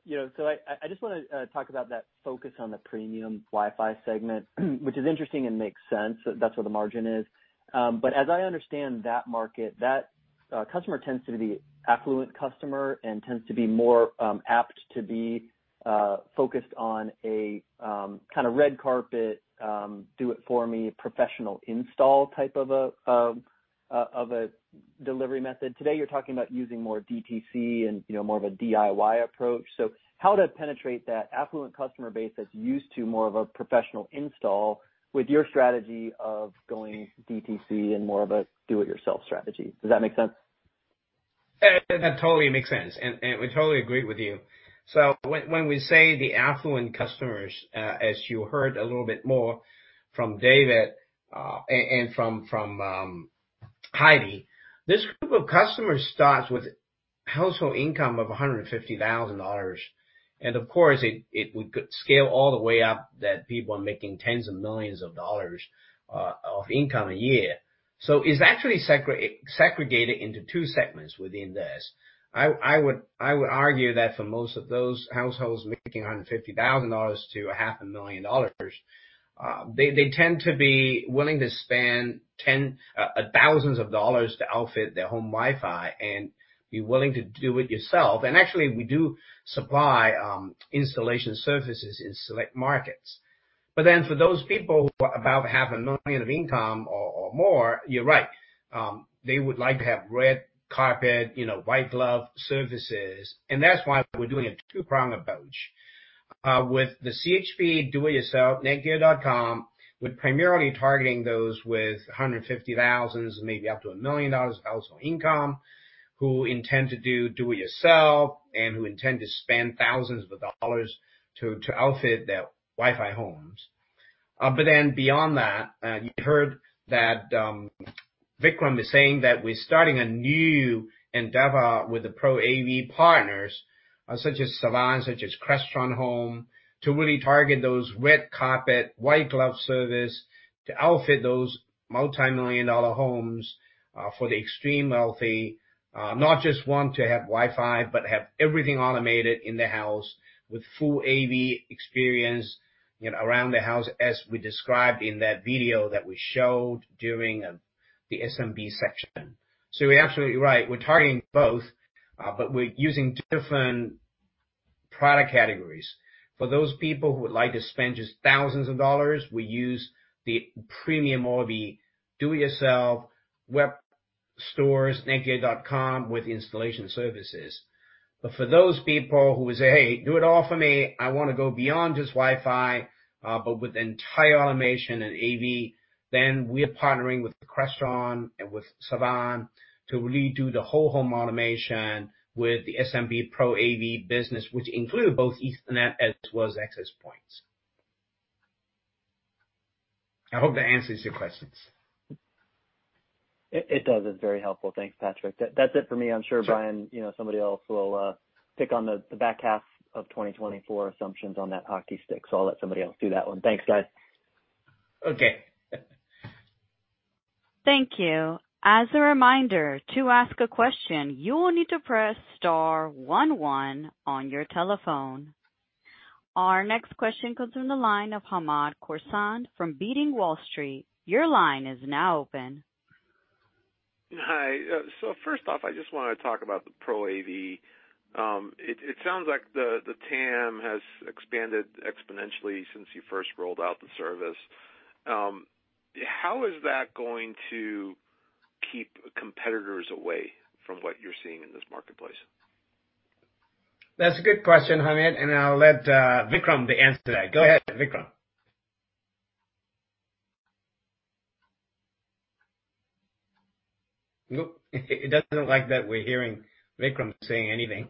you know, I just wanna talk about that focus on the premium Wi-Fi segment, which is interesting and makes sense. That's where the margin is. as I understand that market, that customer tends to be affluent customer and tends to be more apt to be focused on a kinda red carpet, do it for me, professional install type of a. Of a delivery method. Today, you're talking about using more DTC and, you know, more of a DIY approach. How to penetrate that affluent customer base that's used to more of a professional install with your strategy of going DTC and more of a do-it-yourself strategy? Does that make sense? That totally makes sense, and we totally agree with you. When we say the affluent customers, as you heard a little bit more from David, and from Heidi, this group of customers starts with household income of $150,000. Of course, it would scale all the way up that people are making tens of millions of dollars of income a year. It's actually segregated into two segments within this. I would argue that for most of those households making $150,000 to $500,000, they tend to be willing to spend thousands of dollars to outfit their home Wi-Fi and be willing to do it yourself. Actually, we do supply installation services in select markets. For those people who are above half a million of income or more, you're right. They would like to have red carpet, you know, white glove services. That's why we're doing a two-pronged approach. With the CHP do-it-yourself, netgear.com, we're primarily targeting those with $150,000, maybe up to $1 million of household income, who intend to do do-it-yourself and who intend to spend thousands of dollars to outfit their Wi-Fi homes. Beyond that, you heard that Vikram is saying that we're starting a new endeavor with the ProAV partners, such as Savant, such as Crestron Home, to really target those red carpet, white glove service to outfit those multimillion-dollar homes for the extreme wealthy. Not just want to have Wi-Fi, but have everything automated in the house with full AV experience, you know, around the house as we described in that video that we showed during the SMB section. You're absolutely right, we're targeting both, but we're using different product categories. For those people who would like to spend just thousands of dollars, we use the premium or the do-it-yourself web stores, netgear.com, with installation services. For those people who would say, "Hey, do it all for me, I want to go beyond just Wi-Fi, but with entire automation and AV," then we are partnering with Crestron and with Savant to really do the whole home automation with the SMB ProAV business, which include both Ethernet as well as access points. I hope that answers your questions. It does. It's very helpful. Thanks, Patrick. That's it for me. I'm sure Bryan- Sure. You know, somebody else will pick on the back half of 2024 assumptions on that hockey stick, so I'll let somebody else do that one. Thanks, guys. Okay. Thank you. As a reminder, to ask a question, you will need to press star one one on your telephone. Our next question comes from the line of Hamed Khorsand from Beating Wall Street. Your line is now open. Hi. First off, I just wanna talk about the ProAV. It sounds like the TAM has expanded exponentially since you first rolled out the service. How is that going to keep competitors away from what you're seeing in this marketplace? That's a good question, Hamed, and I'll let Vikram to answer that. Go ahead, Vikram. Nope. It doesn't look like that we're hearing Vikram saying anything.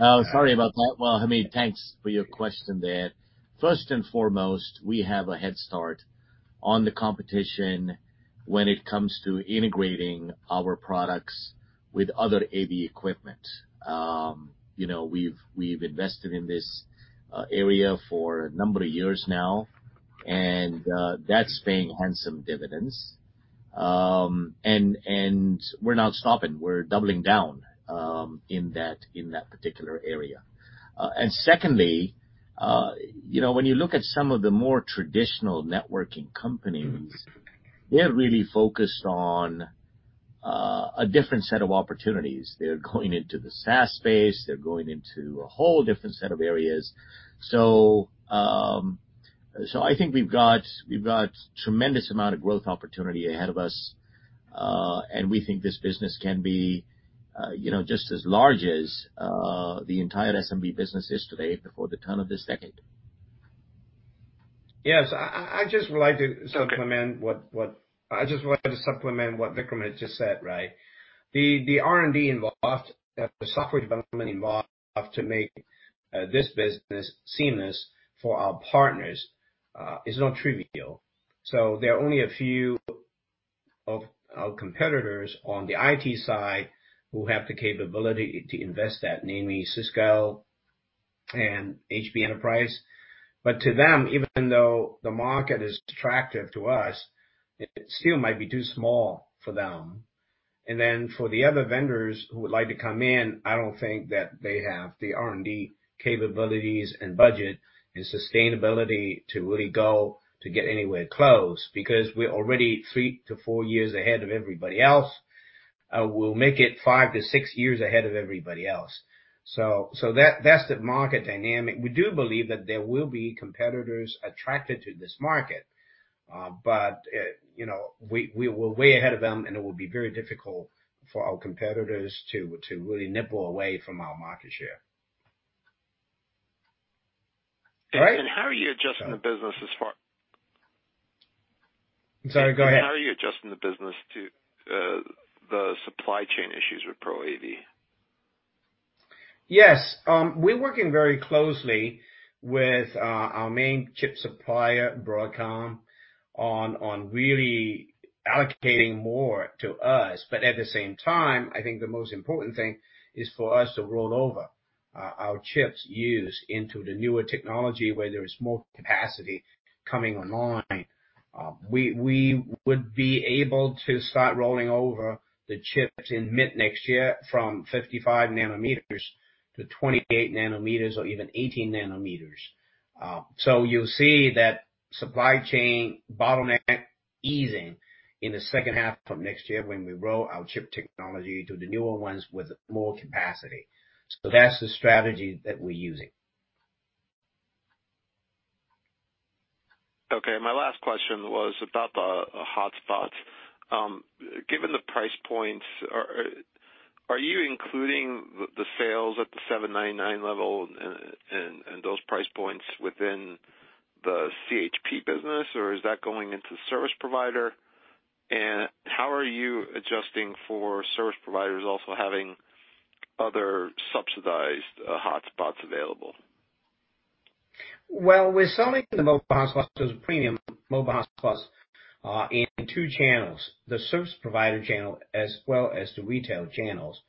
Oh, sorry about that. Well, Hamed, thanks for your question there. First and foremost, we have a head start on the competition when it comes to integrating our products with other AV equipment. You know, we've invested in this area for a number of years now, that's paying handsome dividends. We're not stopping. We're doubling down in that particular area. Secondly, you know, when you look at some of the more traditional networking companies. Mm-hmm. They're really focused on a different set of opportunities. They're going into the SaaS space, they're going into a whole different set of areas. I think we've got tremendous amount of growth opportunity ahead of us, and we think this business can be, you know, just as large as the entire SMB business is today before the turn of this decade. Yes. I just wanted to supplement what Vikram has just said, right. The R&D involved, the software development involved to make this business seamless for our partners is no trivial. There are only a few of our competitors on the IT side who have the capability to invest that, namely Cisco and HP Enterprise. To them, even though the market is attractive to us, it still might be too small for them. For the other vendors who would like to come in, I don't think that they have the R&D capabilities and budget and sustainability to really go to get anywhere close, because we're already three to four years ahead of everybody else. We'll make it five to six years ahead of everybody else. That's the market dynamic. We do believe that there will be competitors attracted to this market, but, you know, we were way ahead of them, and it will be very difficult for our competitors to really nibble away from our market share. All right? How are you adjusting the business. I'm sorry, go ahead. How are you adjusting the business to the supply chain issues with ProAV? Yes. We're working very closely with our main chip supplier, Broadcom, on really allocating more to us. At the same time, I think the most important thing is for us to roll over our chips used into the newer technology where there is more capacity coming online. We would be able to start rolling over the chips in mid next year from 55 nm-28 nm or even 18 nm. You'll see that supply chain bottleneck easing in the second half of next year when we roll our chip technology to the newer ones with more capacity. That's the strategy that we're using. Okay. My last question was about the hotspots. Given the price points, are you including the sales at the $799 level and those price points within the CHP business, or is that going into service provider? How are you adjusting for service providers also having other subsidized hotspots available? Well, we're selling the mobile hotspots, those premium mobile hotspots, in two channels, the service provider channel as well as the retail channels.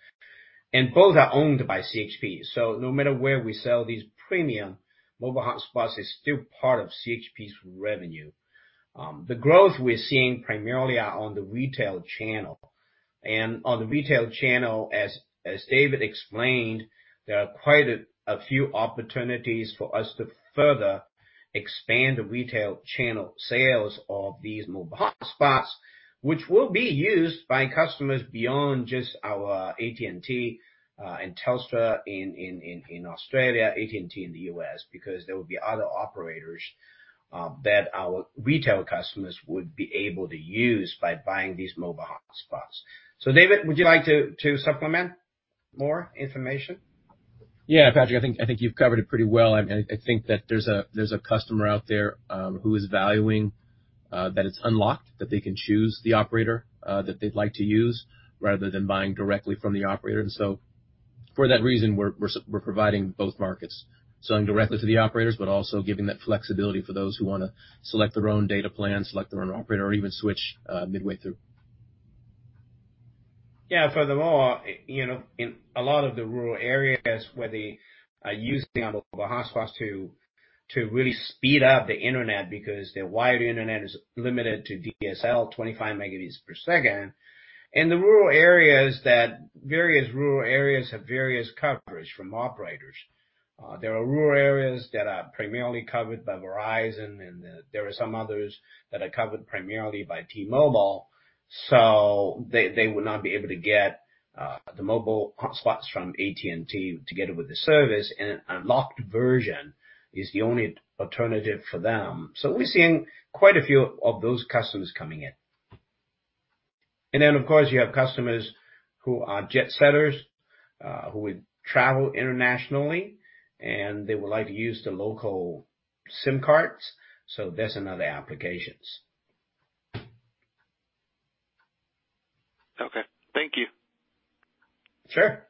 Both are owned by CHP. No matter where we sell these premium mobile hotspots is still part of CHP's revenue. The growth we're seeing primarily are on the retail channel. On the retail channel, as David explained, there are quite a few opportunities for us to further expand the retail channel sales of these mobile hotspots, which will be used by customers beyond just our AT&T and Telstra in Australia, AT&T in the U.S., because there will be other operators that our retail customers would be able to use by buying these mobile hotspots. David, would you like to supplement more information? Patrick, I think you've covered it pretty well. I think that there's a customer out there who is valuing that it's unlocked, that they can choose the operator that they'd like to use rather than buying directly from the operator. For that reason, we're providing both markets, selling directly to the operators, but also giving that flexibility for those who wanna select their own data plan, select their own operator, or even switch midway through. Yeah. Furthermore, you know, in a lot of the rural areas where they are using our mobile hotspots to really speed up the internet because their wired internet is limited to DSL 25 Mbps, and the rural areas that various rural areas have various coverage from operators. There are rural areas that are primarily covered by Verizon, and then there are some others that are covered primarily by T-Mobile, so they would not be able to get the mobile hotspots from AT&T together with the service, and an unlocked version is the only alternative for them. We're seeing quite a few of those customers coming in. Of course, you have customers who are jet setters who would travel internationally, and they would like to use the local SIM cards, so there's another applications. Okay. Thank you. Sure.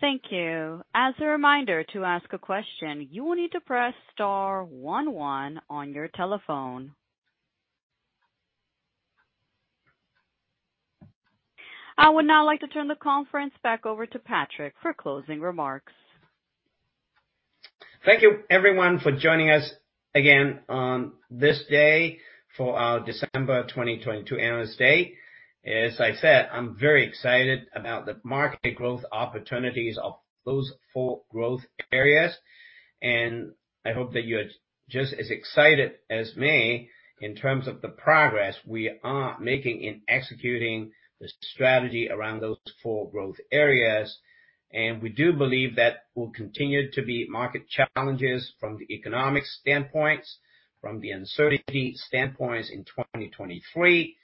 Thank you. As a reminder to ask a question, you will need to press star one one on your telephone. I would now like to turn the conference back over to Patrick for closing remarks. Thank you everyone for joining us again on this day for our December 2022 Analyst Day. As I said, I'm very excited about the market growth opportunities of those four growth areas, and I hope that you're just as excited as me in terms of the progress we are making in executing the strategy around those four growth areas. We do believe that will continue to be market challenges from the economic standpoints, from the uncertainty standpoints in 2023.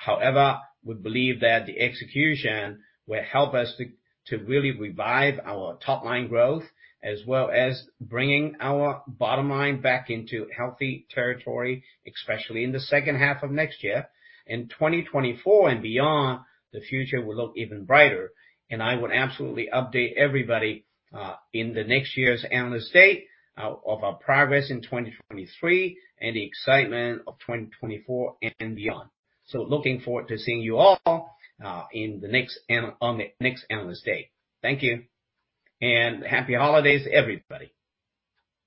However, we believe that the execution will help us to really revive our top line growth as well as bringing our bottom line back into healthy territory, especially in the second half of next year. In 2024 and beyond, the future will look even brighter. I would absolutely update everybody in the next year's Analyst Day of our progress in 2023 and the excitement of 2024 and beyond. Looking forward to seeing you all on the next Analyst Day. Thank you. Happy holidays, everybody.